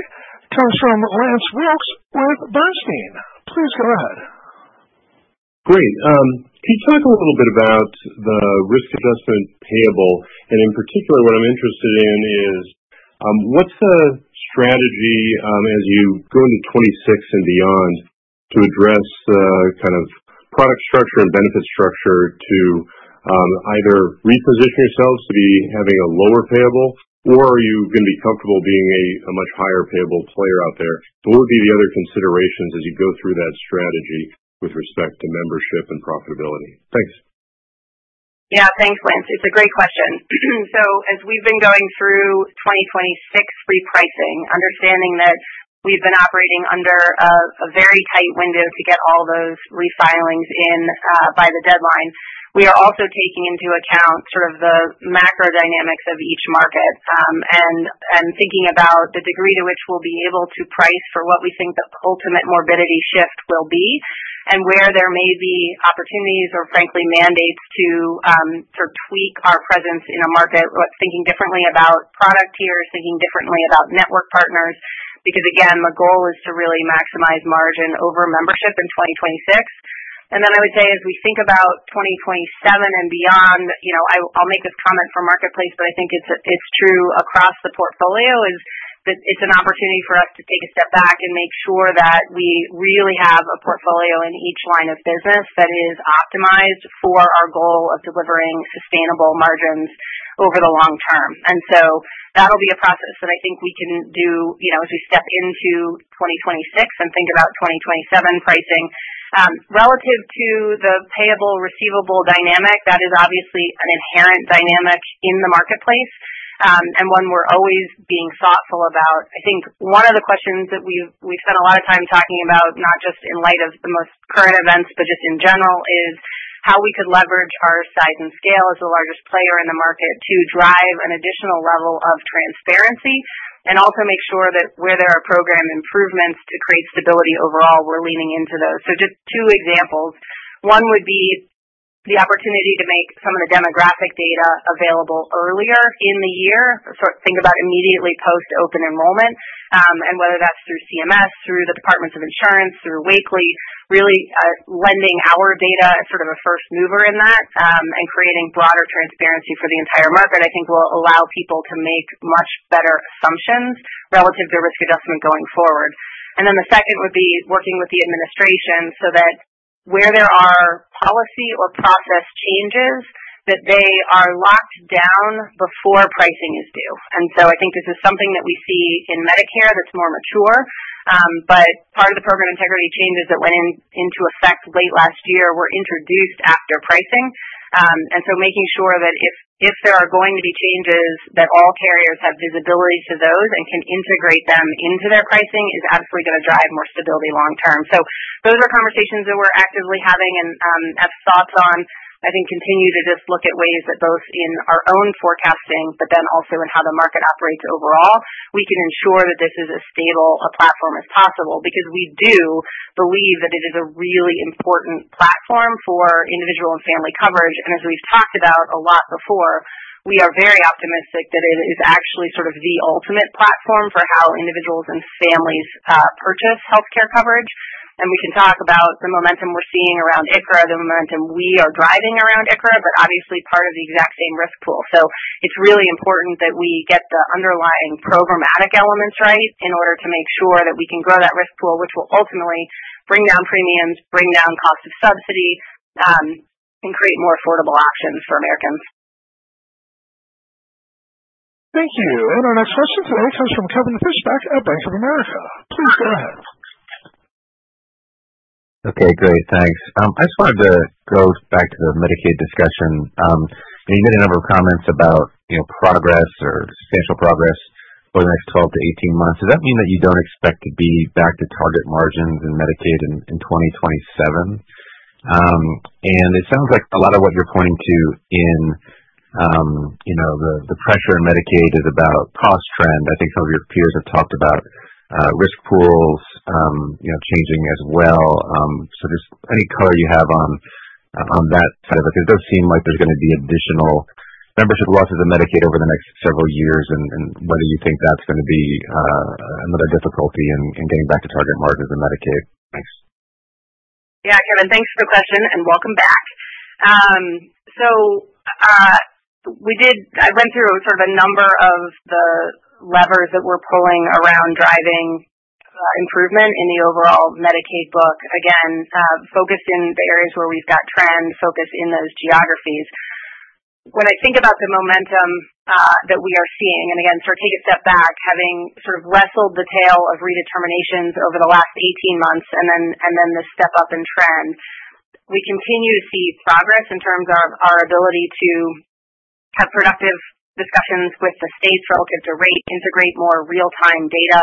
comes from Lance Wilkes with Bernstein. Please go ahead. Great. Can you talk a little bit about the risk adjustment payable? In particular, what I'm interested in is, what's the strategy as you go into 2026 and beyond to address the kind of product structure and benefit structure to either reposition yourselves to be having a lower payable, or are you going to be comfortable being a much higher payable player out there? What would be the other considerations as you go through that strategy with respect to membership and profitability? Thanks. Yeah, thanks, Lance. It's a great question. As we've been going through 2026 repricing, understanding that we've been operating under a very tight window to get all those refilings in by the deadline, we are also taking into account sort of the macro dynamics of each market and thinking about the degree to which we'll be able to price for what we think the ultimate morbidity shift will be and where there may be opportunities or, frankly, mandates to sort of tweak our presence in a market, thinking differently about product tiers, thinking differently about network partners, because, again, the goal is to really maximize margin over membership in 2026. I would say, as we think about 2027 and beyond, I'll make this comment for Marketplace, but I think it's true across the portfolio, that it's an opportunity for us to take a step back and make sure that we really have a portfolio in each line of business that is optimized for our goal of delivering sustainable margins over the long term. That'll be a process that I think we can do as we step into 2026 and think about 2027 pricing. Relative to the payable-receivable dynamic, that is obviously an inherent dynamic in the Marketplace and one we're always being thoughtful about. One of the questions that we've spent a lot of time talking about, not just in light of the most current events, but just in general, is how we could leverage our size and scale as the largest player in the market to drive an additional level of transparency and also make sure that where there are program improvements to create stability overall, we're leaning into those. Just two examples. One would be the opportunity to make some of the demographic data available earlier in the year, sort of think about immediately post-open enrollment, and whether that's through CMS, through the departments of insurance, through Wakely, really lending our data as sort of a first mover in that and creating broader transparency for the entire market, I think, will allow people to make much better assumptions relative to risk adjustment going forward. The second would be working with the administration so that where there are policy or process changes, that they are locked down before pricing is due. I think this is something that we see in Medicare that's more mature, but part of the program integrity changes that went into effect late last year were introduced after pricing. Making sure that if there are going to be changes, that all carriers have visibility to those and can integrate them into their pricing is absolutely going to drive more stability long term. Those are conversations that we're actively having and have thoughts on. I think continue to just look at ways that both in our own forecasting, but then also in how the market operates overall, we can ensure that this is as stable a platform as possible because we do believe that it is a really important platform for individual and family coverage. As we've talked about a lot before, we are very optimistic that it is actually sort of the ultimate platform for how individuals and families purchase healthcare coverage. We can talk about the momentum we're seeing around ICHRA, the momentum we are driving around ICHRA, but obviously part of the exact same risk pool. It's really important that we get the underlying programmatic elements right in order to make sure that we can grow that risk pool, which will ultimately bring down premiums, bring down cost of subsidy, and create more affordable options for Americans. Thank you. Our next question today comes from Kevin Fischbeck at Bank of America. Please go ahead. Okay, great. Thanks. I just wanted to go back to the Medicaid discussion. You made a number of comments about progress or substantial progress over the next 12-18 months. Does that mean that you don't expect to be back to target margins in Medicaid in 2027? It sounds like a lot of what you're pointing to in the pressure in Medicaid is about cost trend. I think some of your peers have talked about risk pools changing as well. Just any color you have on that side of it, because it does seem like there's going to be additional membership losses in Medicaid over the next several years and whether you think that's going to be another difficulty in getting back to target margins in Medicaid. Thanks. Yeah, Kevin, thanks for the question and welcome back. I went through sort of a number of the levers that we're pulling around driving improvement in the overall Medicaid book, again, focused in the areas where we've got trend focus in those geographies. When I think about the momentum that we are seeing, and again, sort of take a step back, having sort of wrestled the tail of redeterminations over the last 18 months and then this step up in trend, we continue to see progress in terms of our ability to have productive discussions with the states relative to rate, integrate more real-time data,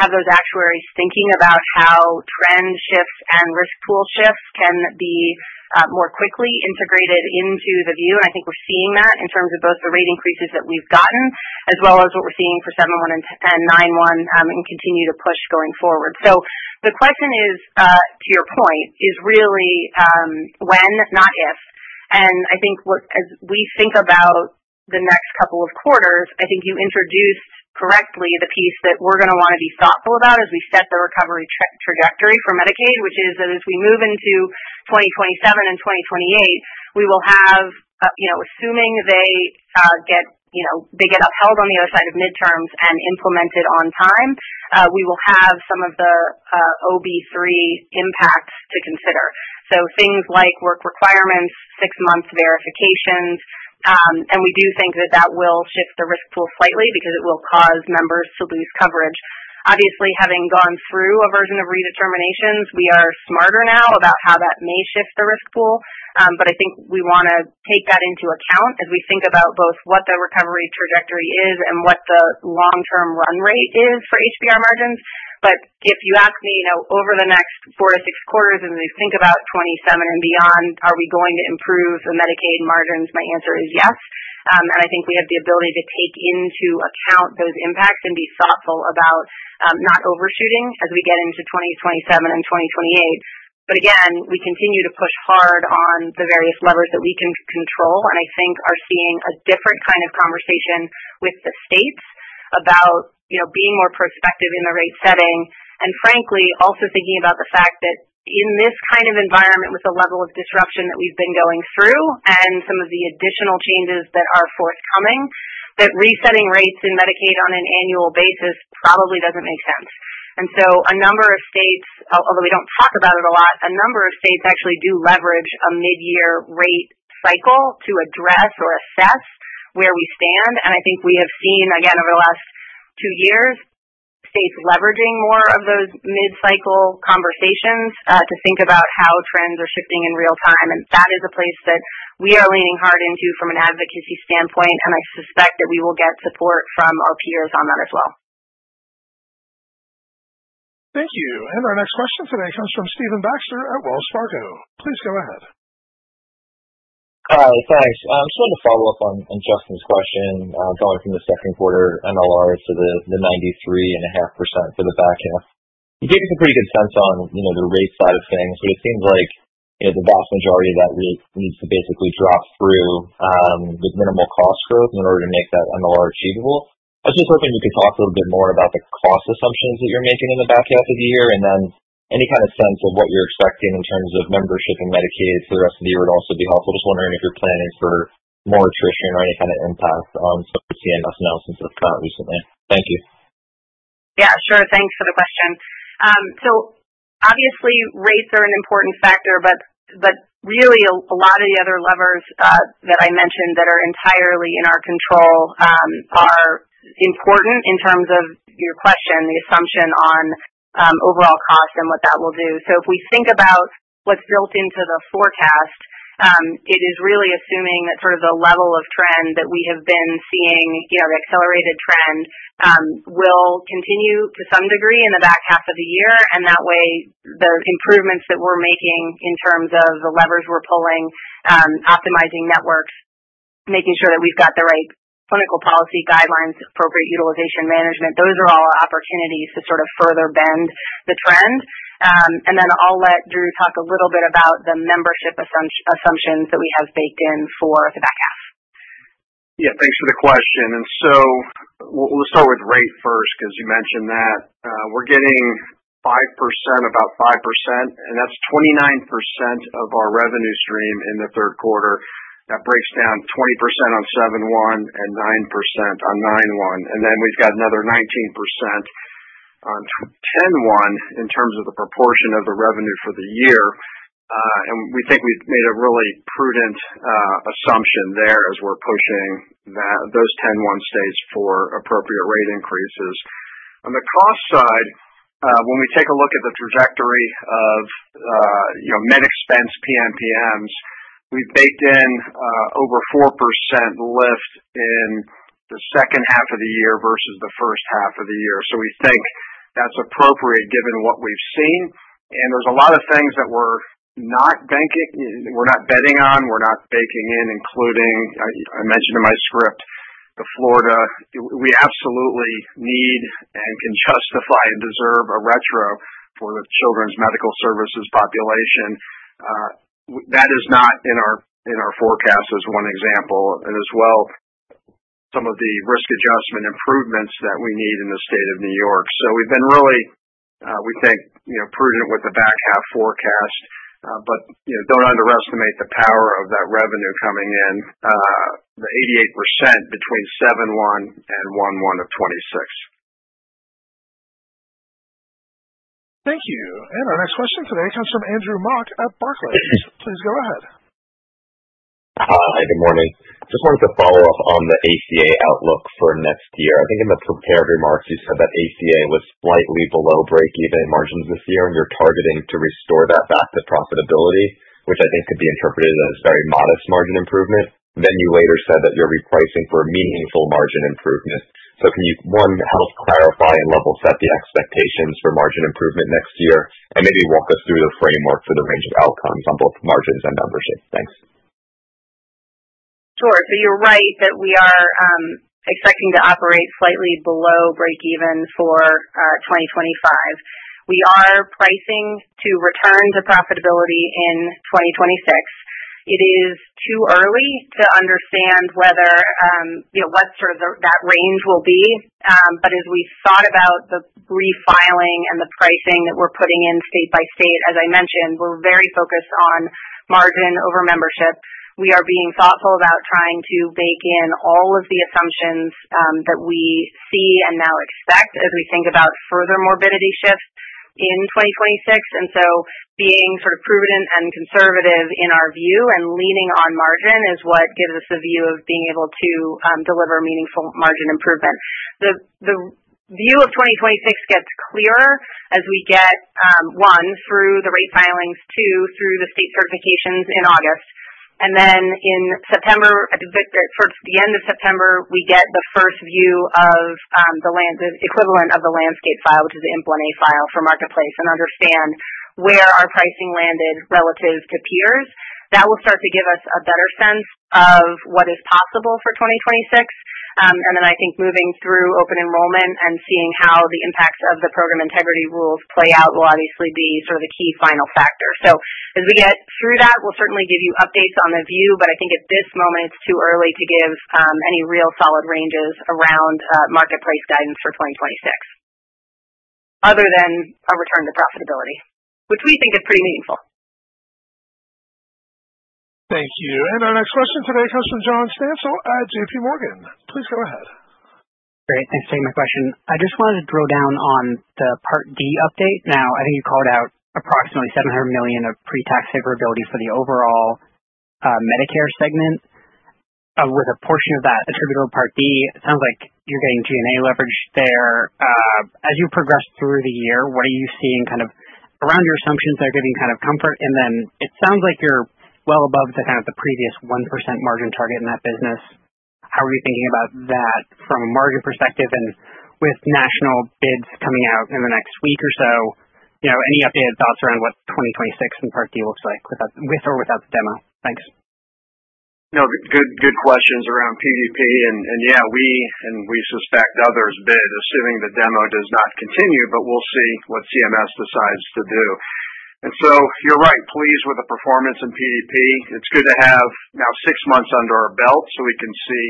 have those actuaries thinking about how trend shifts and risk pool shifts can be more quickly integrated into the view. I think we're seeing that in terms of both the rate increases that we've gotten as well as what we're seeing for 7/1 and 9/1 and continue to push going forward. The question is, to your point, is really when, not if. I think as we think about the next couple of quarters, I think you introduced correctly the piece that we're going to want to be thoughtful about as we set the recovery trajectory for Medicaid, which is that as we move into 2027 and 2028, we will have, assuming they get upheld on the other side of midterms and implemented on time, we will have some of the OB3 impacts to consider. Things like work requirements, six-month verifications. We do think that that will shift the risk pool slightly because it will cause members to lose coverage. Obviously, having gone through a version of redeterminations, we are smarter now about how that may shift the risk pool. I think we want to take that into account as we think about both what the recovery trajectory is and what the long-term run rate is for HBR margins. If you ask me, over the next four to six quarters, as we think about 2027 and beyond, are we going to improve the Medicaid margins? My answer is yes. I think we have the ability to take into account those impacts and be thoughtful about not overshooting as we get into 2027 and 2028. We continue to push hard on the various levers that we can control, and I think are seeing a different kind of conversation with the states about being more prospective in the rate setting. Frankly, also thinking about the fact that in this kind of environment with the level of disruption that we've been going through and some of the additional changes that are forthcoming, resetting rates in Medicaid on an annual basis probably doesn't make sense. A number of states, although we don't talk about it a lot, a number of states actually do leverage a mid-year rate cycle to address or assess where we stand. I think we have seen, again, over the last two years, states leveraging more of those mid-cycle conversations to think about how trends are shifting in real time. That is a place that we are leaning hard into from an advocacy standpoint, and I suspect that we will get support from our peers on that as well. Thank you. Our next question today comes from Stephen Baxter at Wells Fargo. Please go ahead. Hi, thanks. I just wanted to follow up on Justin's question going from the second quarter MLR to the 93.5% for the back half. You gave us a pretty good sense on the rate side of things, but it seems like the vast majority of that rate needs to basically drop through, with minimal cost growth in order to make that MLR achievable. I was just hoping you could talk a little bit more about the cost assumptions that you're making in the back half of the year, and then any kind of sense of what you're expecting in terms of membership in Medicaid for the rest of the year would also be helpful. Just wondering if you're planning for more attrition or any kind of impact on some of the CMS announcements that have come out recently. Thank you. Yeah, sure. Thanks for the question. Obviously, rates are an important factor, but really a lot of the other levers that I mentioned that are entirely in our control are important in terms of your question, the assumption on overall cost and what that will do. If we think about what's built into the forecast, it is really assuming that sort of the level of trend that we have been seeing, the accelerated trend, will continue to some degree in the back half of the year. That way, the improvements that we're making in terms of the levers we're pulling, optimizing networks, making sure that we've got the right clinical policy guidelines, appropriate utilization management, those are all opportunities to sort of further bend the trend. I'll let Drew talk a little bit about the membership assumptions that we have baked in for the back half. Yeah, thanks for the question. We'll start with rate first because you mentioned that. We're getting about 5%, and that's 29% of our revenue stream in the third quarter. That breaks down 20% on 7/1 and 9% on 9/1. Then we've got another 19% on 10/1 in terms of the proportion of the revenue for the year. We think we've made a really prudent assumption there as we're pushing those 10/1 states for appropriate rate increases. On the cost side, when we take a look at the trajectory of net expense PMPMs, we've baked in over 4% lift in the second half of the year versus the first half of the year. We think that's appropriate given what we've seen. There's a lot of things that we're not betting on, we're not baking in, including, I mentioned in my script, the Florida. We absolutely need and can justify and deserve a retro for the Children's Medical Services population. That is not in our forecast, as one example, as well. Some of the risk adjustment improvements that we need in the state of New York. We've been really, we think, prudent with the back half forecast, but don't underestimate the power of that revenue coming in. The 88% between 7/1 and 1/1 of 2026. Thank you. Our next question today comes from Andrew Mok at Barclays. Please go ahead. Hi, good morning. Just wanted to follow up on the ACA outlook for next year. I think in the prepared remarks, you said that ACA was slightly below break-even margins this year, and you're targeting to restore that back to profitability, which I think could be interpreted as very modest margin improvement. Then you later said that you're repricing for meaningful margin improvement. Can you, one, help clarify and level set the expectations for margin improvement next year and maybe walk us through the framework for the range of outcomes on both margins and membership? Thanks. Sure. You're right that we are expecting to operate slightly below break-even for 2025. We are pricing to return to profitability in 2026. It is too early to understand whether what sort of that range will be. As we thought about the refiling and the pricing that we're putting in state by state, as I mentioned, we're very focused on margin over membership. We are being thoughtful about trying to bake in all of the assumptions that we see and now expect as we think about further morbidity shifts in 2026. Being sort of prudent and conservative in our view and leaning on margin is what gives us the view of being able to deliver meaningful margin improvement. The view of 2026 gets clearer as we get, one, through the rate filings, two, through the state certifications in August, and then in September. Towards the end of September, we get the first view of the equivalent of the landscape file, which is the implant A file for Marketplace, and understand where our pricing landed relative to peers. That will start to give us a better sense of what is possible for 2026. I think moving through open enrollment and seeing how the impacts of the program integrity rules play out will obviously be sort of the key final factor. As we get through that, we'll certainly give you updates on the view, but I think at this moment, it's too early to give any real solid ranges around Marketplace guidance for 2026, other than a return to profitability, which we think is pretty meaningful. Thank you. Our next question today comes from John Stansel at JPMorgan. Please go ahead. Great. Thanks for taking my question. I just wanted to drill down on the Part D update. Now, I think you called out approximately $700 million of pre-tax favorability for the overall Medicare segment, with a portion of that attributed to Part D. It sounds like you're getting SG&A leverage there. As you progress through the year, what are you seeing kind of around your assumptions that are giving kind of comfort? It sounds like you're well above the previous 1% margin target in that business. How are you thinking about that from a margin perspective? With national bids coming out in the next week or so, any updated thoughts around what 2026 and Part D looks like with or without the demo? Thanks. No, good questions around PDP. Yeah, we and we suspect others bid, assuming the demo does not continue, but we'll see what CMS decides to do. You're right, pleased with the performance in PDP. It's good to have now six months under our belt so we can see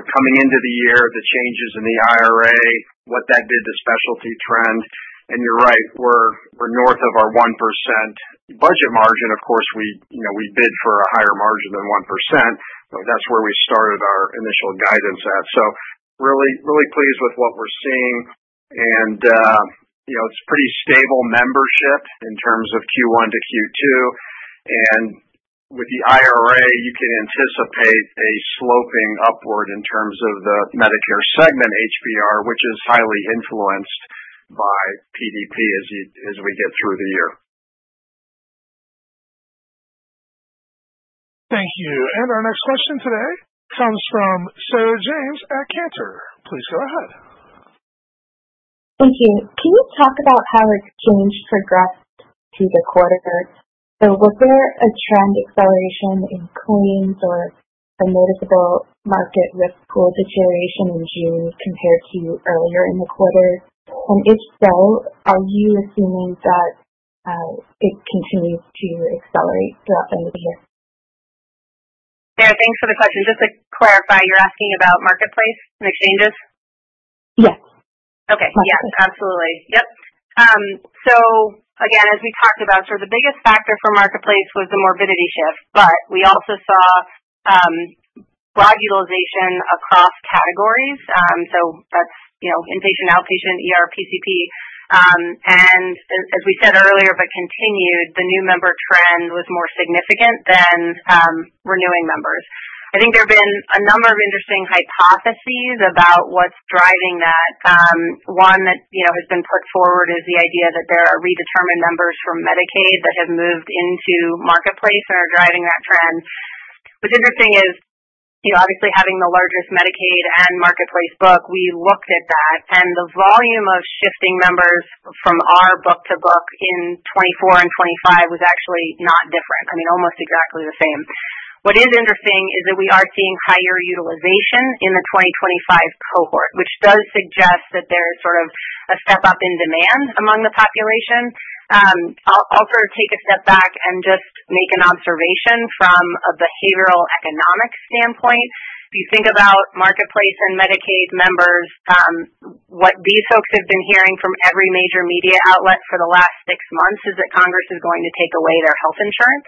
coming into the year the changes in the IRA, what that did to specialty trend. You're right, we're north of our 1% budget margin. Of course, we bid for a higher margin than 1%. That's where we started our initial guidance at. Really pleased with what we're seeing. It's pretty stable membership in terms of Q1-Q2. With the IRA, you can anticipate a sloping upward in terms of the Medicare segment HBR, which is highly influenced by PDP as we get through the year. Thank you. Our next question today comes from Sarah James at Cantor. Please go ahead. Thank you. Can you talk about how its change progressed through the quarter? Was there a trend acceleration in claims or a noticeable market risk pool deterioration in June compared to earlier in the quarter? If so, are you assuming that it continues to accelerate throughout the year? Yeah, thanks for the question. Just to clarify, you're asking about Marketplace and exchanges? Yes. Okay. Yeah. Absolutely. Yep. Again, as we talked about, sort of the biggest factor for Marketplace was the morbidity shift, but we also saw broad utilization across categories. That's inpatient, outpatient, PCP. As we said earlier, but continued, the new member trend was more significant than renewing members. I think there have been a number of interesting hypotheses about what's driving that. One that has been put forward is the idea that there are redetermined members from Medicaid that have moved into Marketplace and are driving that trend. What's interesting is, obviously having the largest Medicaid and Marketplace book, we looked at that, and the volume of shifting members from our book to book in 2024 and 2025 was actually not different. I mean, almost exactly the same. What is interesting is that we are seeing higher utilization in the 2025 cohort, which does suggest that there is sort of a step up in demand among the population. I'll sort of take a step back and just make an observation from a behavioral economic standpoint. If you think about Marketplace and Medicaid members, what these folks have been hearing from every major media outlet for the last six months is that Congress is going to take away their health insurance.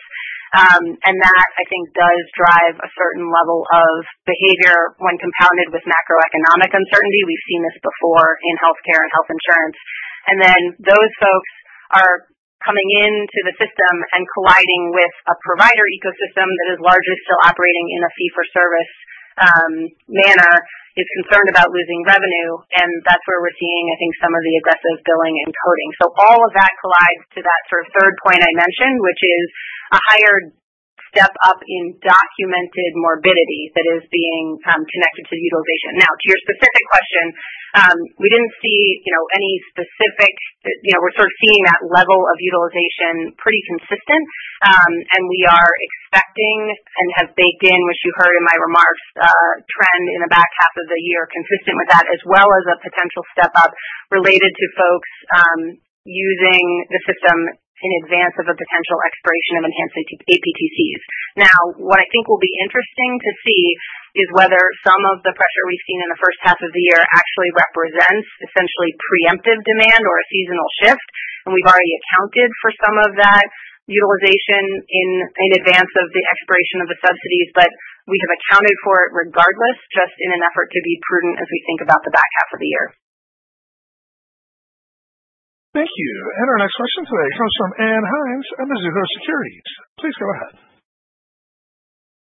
That, I think, does drive a certain level of behavior when compounded with macroeconomic uncertainty. We've seen this before in healthcare and health insurance. Those folks are coming into the system and colliding with a provider ecosystem that is largely still operating in a fee-for-service manner, is concerned about losing revenue, and that's where we're seeing, I think, some of the aggressive billing and coding. All of that collides to that sort of third point I mentioned, which is a higher step up in documented morbidity that is being connected to utilization. Now, to your specific question, we didn't see any specific—we're sort of seeing that level of utilization pretty consistent, and we are expecting and have baked in, which you heard in my remarks, a trend in the back half of the year consistent with that, as well as a potential step up related to folks using the system in advance of a potential expiration of enhanced WAPTCs. What I think will be interesting to see is whether some of the pressure we've seen in the first half of the year actually represents essentially preemptive demand or a seasonal shift. We've already accounted for some of that utilization in advance of the expiration of the subsidies, but we have accounted for it regardless, just in an effort to be prudent as we think about the back half of the year. Thank you. Our next question today comes from Ann Hynes at Mizuho Securities. Please go ahead.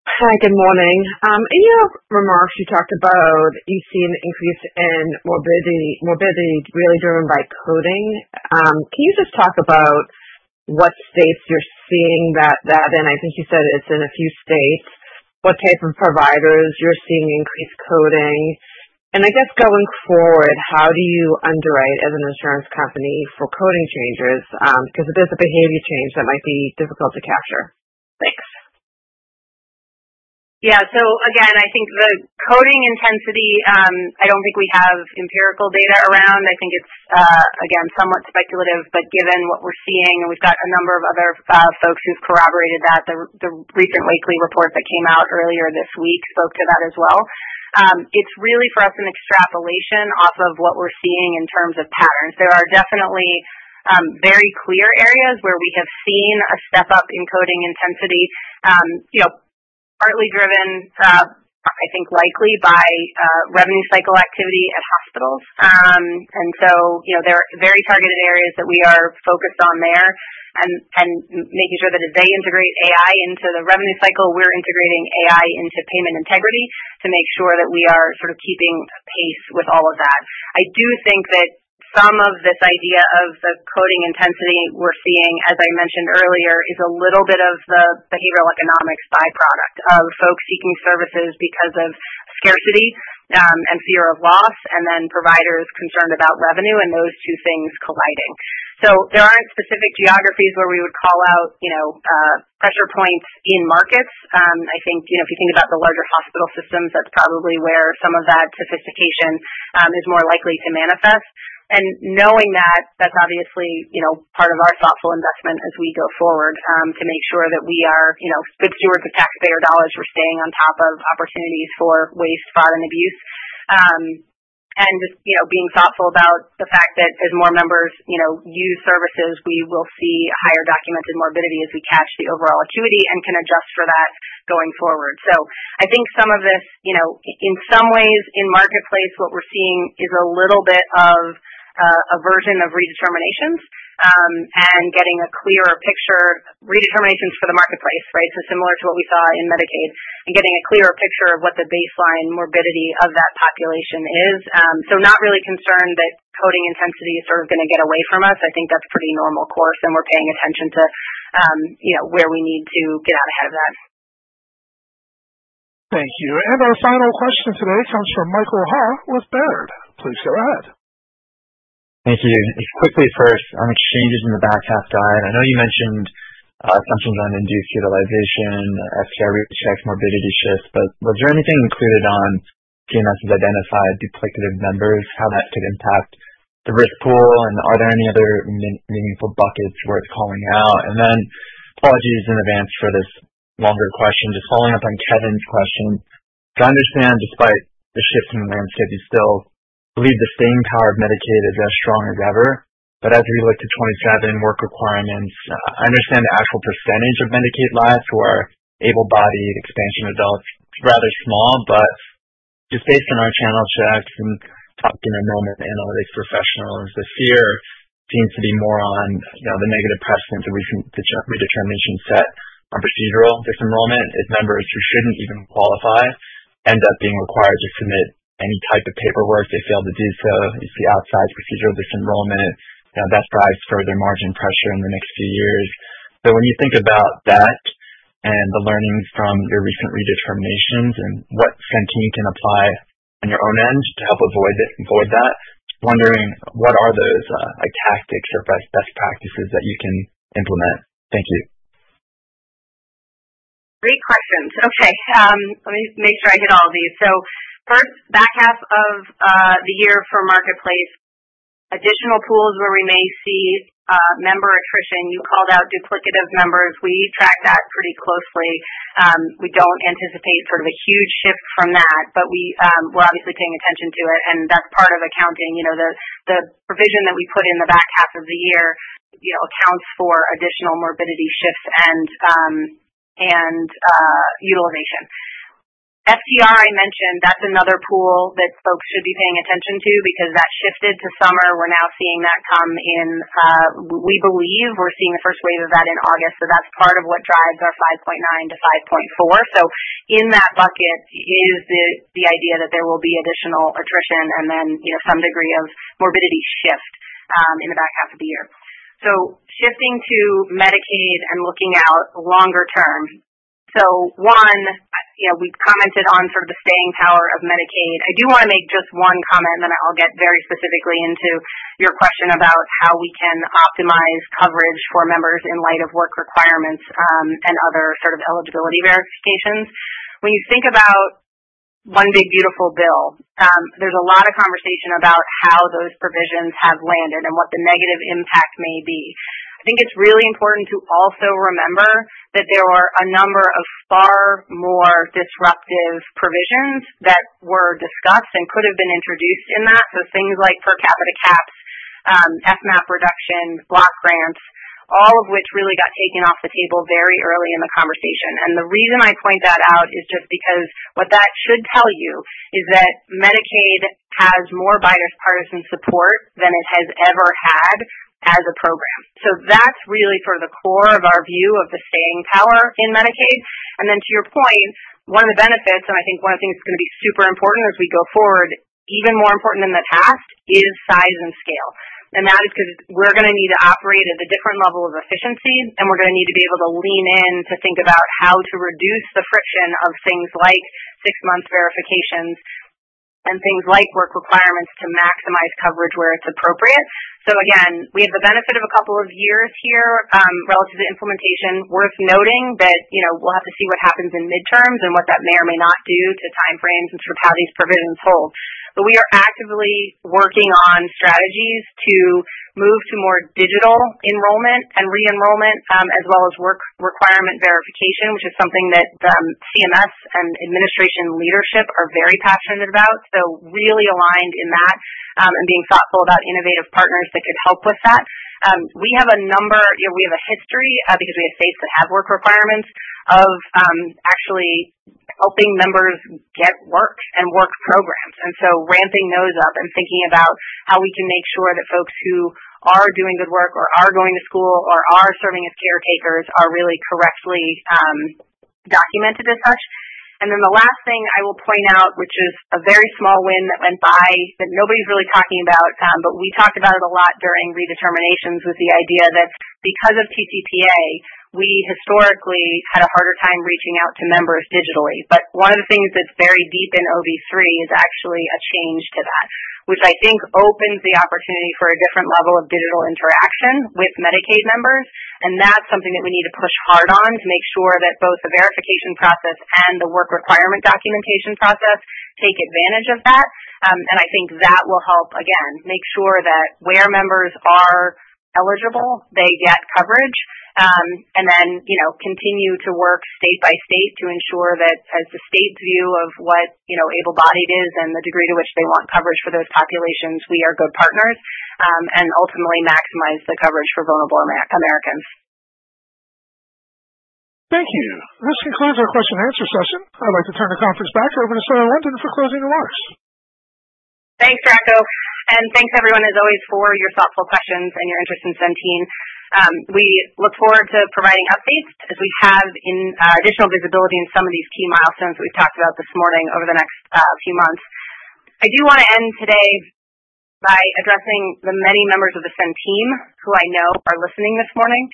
Hi, good morning. In your remarks, you talked about you see an increase in morbidity really driven by coding. Can you just talk about what states you're seeing that? I think you said it's in a few states. What type of providers you're seeing increased coding? I guess going forward, how do you underwrite as an insurance company for coding changes? Because if there's a behavior change, that might be difficult to capture. Thanks. Yeah. Again, I think the coding intensity, I don't think we have empirical data around. I think it's, again, somewhat speculative, but given what we're seeing, and we've got a number of other folks who've corroborated that, the recent Wakely report that came out earlier this week spoke to that as well. It's really for us an extrapolation off of what we're seeing in terms of patterns. There are definitely very clear areas where we have seen a step up in coding intensity. Partly driven. I think, likely by revenue cycle activity at hospitals. There are very targeted areas that we are focused on there and making sure that as they integrate AI into the revenue cycle, we're integrating AI into payment integrity to make sure that we are sort of keeping pace with all of that. I do think that some of this idea of the coding intensity we're seeing, as I mentioned earlier, is a little bit of the behavioral economics byproduct of folks seeking services because of scarcity and fear of loss, and then providers concerned about revenue and those two things colliding. There aren't specific geographies where we would call out pressure points in markets. I think if you think about the larger hospital systems, that's probably where some of that sophistication is more likely to manifest. Knowing that, that's obviously part of our thoughtful investment as we go forward to make sure that we are good stewards of taxpayer dollars, we're staying on top of opportunities for waste, fraud, and abuse. Just being thoughtful about the fact that as more members use services, we will see a higher documented morbidity as we catch the overall acuity and can adjust for that going forward. I think some of this, in some ways in Marketplace, what we're seeing is a little bit of a version of redeterminations. Getting a clearer picture, redeterminations for the Marketplace, right? Similar to what we saw in Medicaid, and getting a clearer picture of what the baseline morbidity of that population is. Not really concerned that coding intensity is sort of going to get away from us. I think that's pretty normal course, and we're paying attention to where we need to get out ahead of that. Thank you. Our final question today comes from Michael Ha with Baird. Please go ahead. Thank you. Quickly first, on exchanges in the back half guide, I know you mentioned assumptions on induced utilization, FTR recheck, morbidity shift, but was there anything included on CMS's identified duplicative members, how that could impact the risk pool, and are there any other meaningful buckets worth calling out? Apologies in advance for this longer question, just following up on Kevin's question. I understand despite the shift in landscape, you still believe the staying power of Medicaid is as strong as ever. As we look to 2027 work requirements, I understand the actual percentage of Medicaid lives who are able-bodied expansion adults is rather small, but just based on our channel checks and talking to enrollment analytics professionals, the fear seems to be more on the negative precedent that redetermination set on procedural disenrollment if members who shouldn't even qualify end up being required to submit any type of paperwork they failed to do so. You see outside procedural disenrollment, that drives further margin pressure in the next few years. When you think about that. And the learnings from your recent redeterminations and what Centene can apply on your own end to help avoid that, wondering what are those tactics or best practices that you can implement? Thank you. Great questions. Okay. Let me make sure I get all of these. First, back half of the year for Marketplace, additional pools where we may see member attrition. You called out duplicative members. We track that pretty closely. We do not anticipate sort of a huge shift from that, but we are obviously paying attention to it. That is part of accounting. The provision that we put in the back half of the year accounts for additional morbidity shifts and utilization. FTR, I mentioned, that is another pool that folks should be paying attention to because that shifted to summer. We are now seeing that come in. We believe we are seeing the first wave of that in August. That is part of what drives our 5.9-5.4. In that bucket is the idea that there will be additional attrition and then some degree of morbidity shift in the back half of the year. Shifting to Medicaid and looking out longer term. One, we have commented on sort of the staying power of Medicaid. I do want to make just one comment, and then I will get very specifically into your question about how we can optimize coverage for members in light of work requirements and other sort of eligibility verifications. When you think about one big beautiful bill, there is a lot of conversation about how those provisions have landed and what the negative impact may be. I think it is really important to also remember that there are a number of far more disruptive provisions that were discussed and could have been introduced in that. Things like per capita caps, FMAP reduction, block grants, all of which really got taken off the table very early in the conversation. The reason I point that out is just because what that should tell you is that Medicaid has more bipartisan support than it has ever had as a program. That is really sort of the core of our view of the staying power in Medicaid. To your point, one of the benefits, and I think one of the things that is going to be super important as we go forward, even more important than the past, is size and scale. That is because we are going to need to operate at a different level of efficiency, and we are going to need to be able to lean in to think about how to reduce the friction of things like six-month verifications and things like work requirements to maximize coverage where it is appropriate. Again, we have the benefit of a couple of years here relative to implementation. Worth noting that we will have to see what happens in midterms and what that may or may not do to timeframes and sort of how these provisions hold. We are actively working on strategies to move to more digital enrollment and re-enrollment, as well as work requirement verification, which is something that CMS and administration leadership are very passionate about. We are really aligned in that and being thoughtful about innovative partners that could help with that. We have a number, we have a history because we have states that have work requirements of actually helping members get work and work programs. We are ramping those up and thinking about how we can make sure that folks who are doing good work or are going to school or are serving as caretakers are really correctly documented as such. The last thing I will point out, which is a very small win that went by that nobody's really talking about, but we talked about it a lot during redeterminations with the idea that because of TCPA, we historically had a harder time reaching out to members digitally. One of the things that's very deep in OB3 is actually a change to that, which I think opens the opportunity for a different level of digital interaction with Medicaid members. That is something that we need to push hard on to make sure that both the verification process and the work requirement documentation process take advantage of that. I think that will help, again, make sure that where members are eligible, they get coverage. We will continue to work state by state to ensure that as the state's view of what able-bodied is and the degree to which they want coverage for those populations, we are good partners and ultimately maximize the coverage for vulnerable Americans. Thank you. This concludes our question and answer session. I would like to turn the conference back over to Sarah London for closing remarks. Thanks, Rocco. Thanks, everyone, as always, for your thoughtful questions and your interest in Centene. We look forward to providing updates as we have additional visibility in some of these key milestones that we have talked about this morning over the next few months. I do want to end today by addressing the many members of Centene who I know are listening this morning.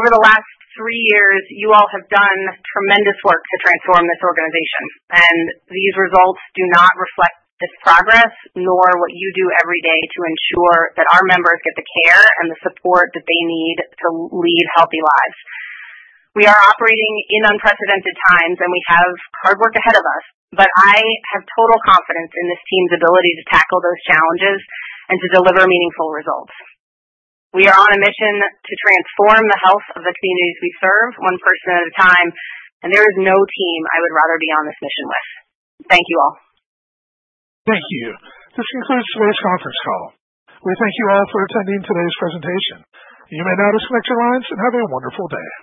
Over the last three years, you all have done tremendous work to transform this organization. These results do not reflect this progress, nor what you do every day to ensure that our members get the care and the support that they need to lead healthy lives. We are operating in unprecedented times, and we have hard work ahead of us, but I have total confidence in this team's ability to tackle those challenges and to deliver meaningful results. We are on a mission to transform the health of the communities we serve, one person at a time, and there is no team I would rather be on this mission with. Thank you all. Thank you. This concludes today's conference call. We thank you all for attending today's presentation. You may now disconnect your lines and have a wonderful day.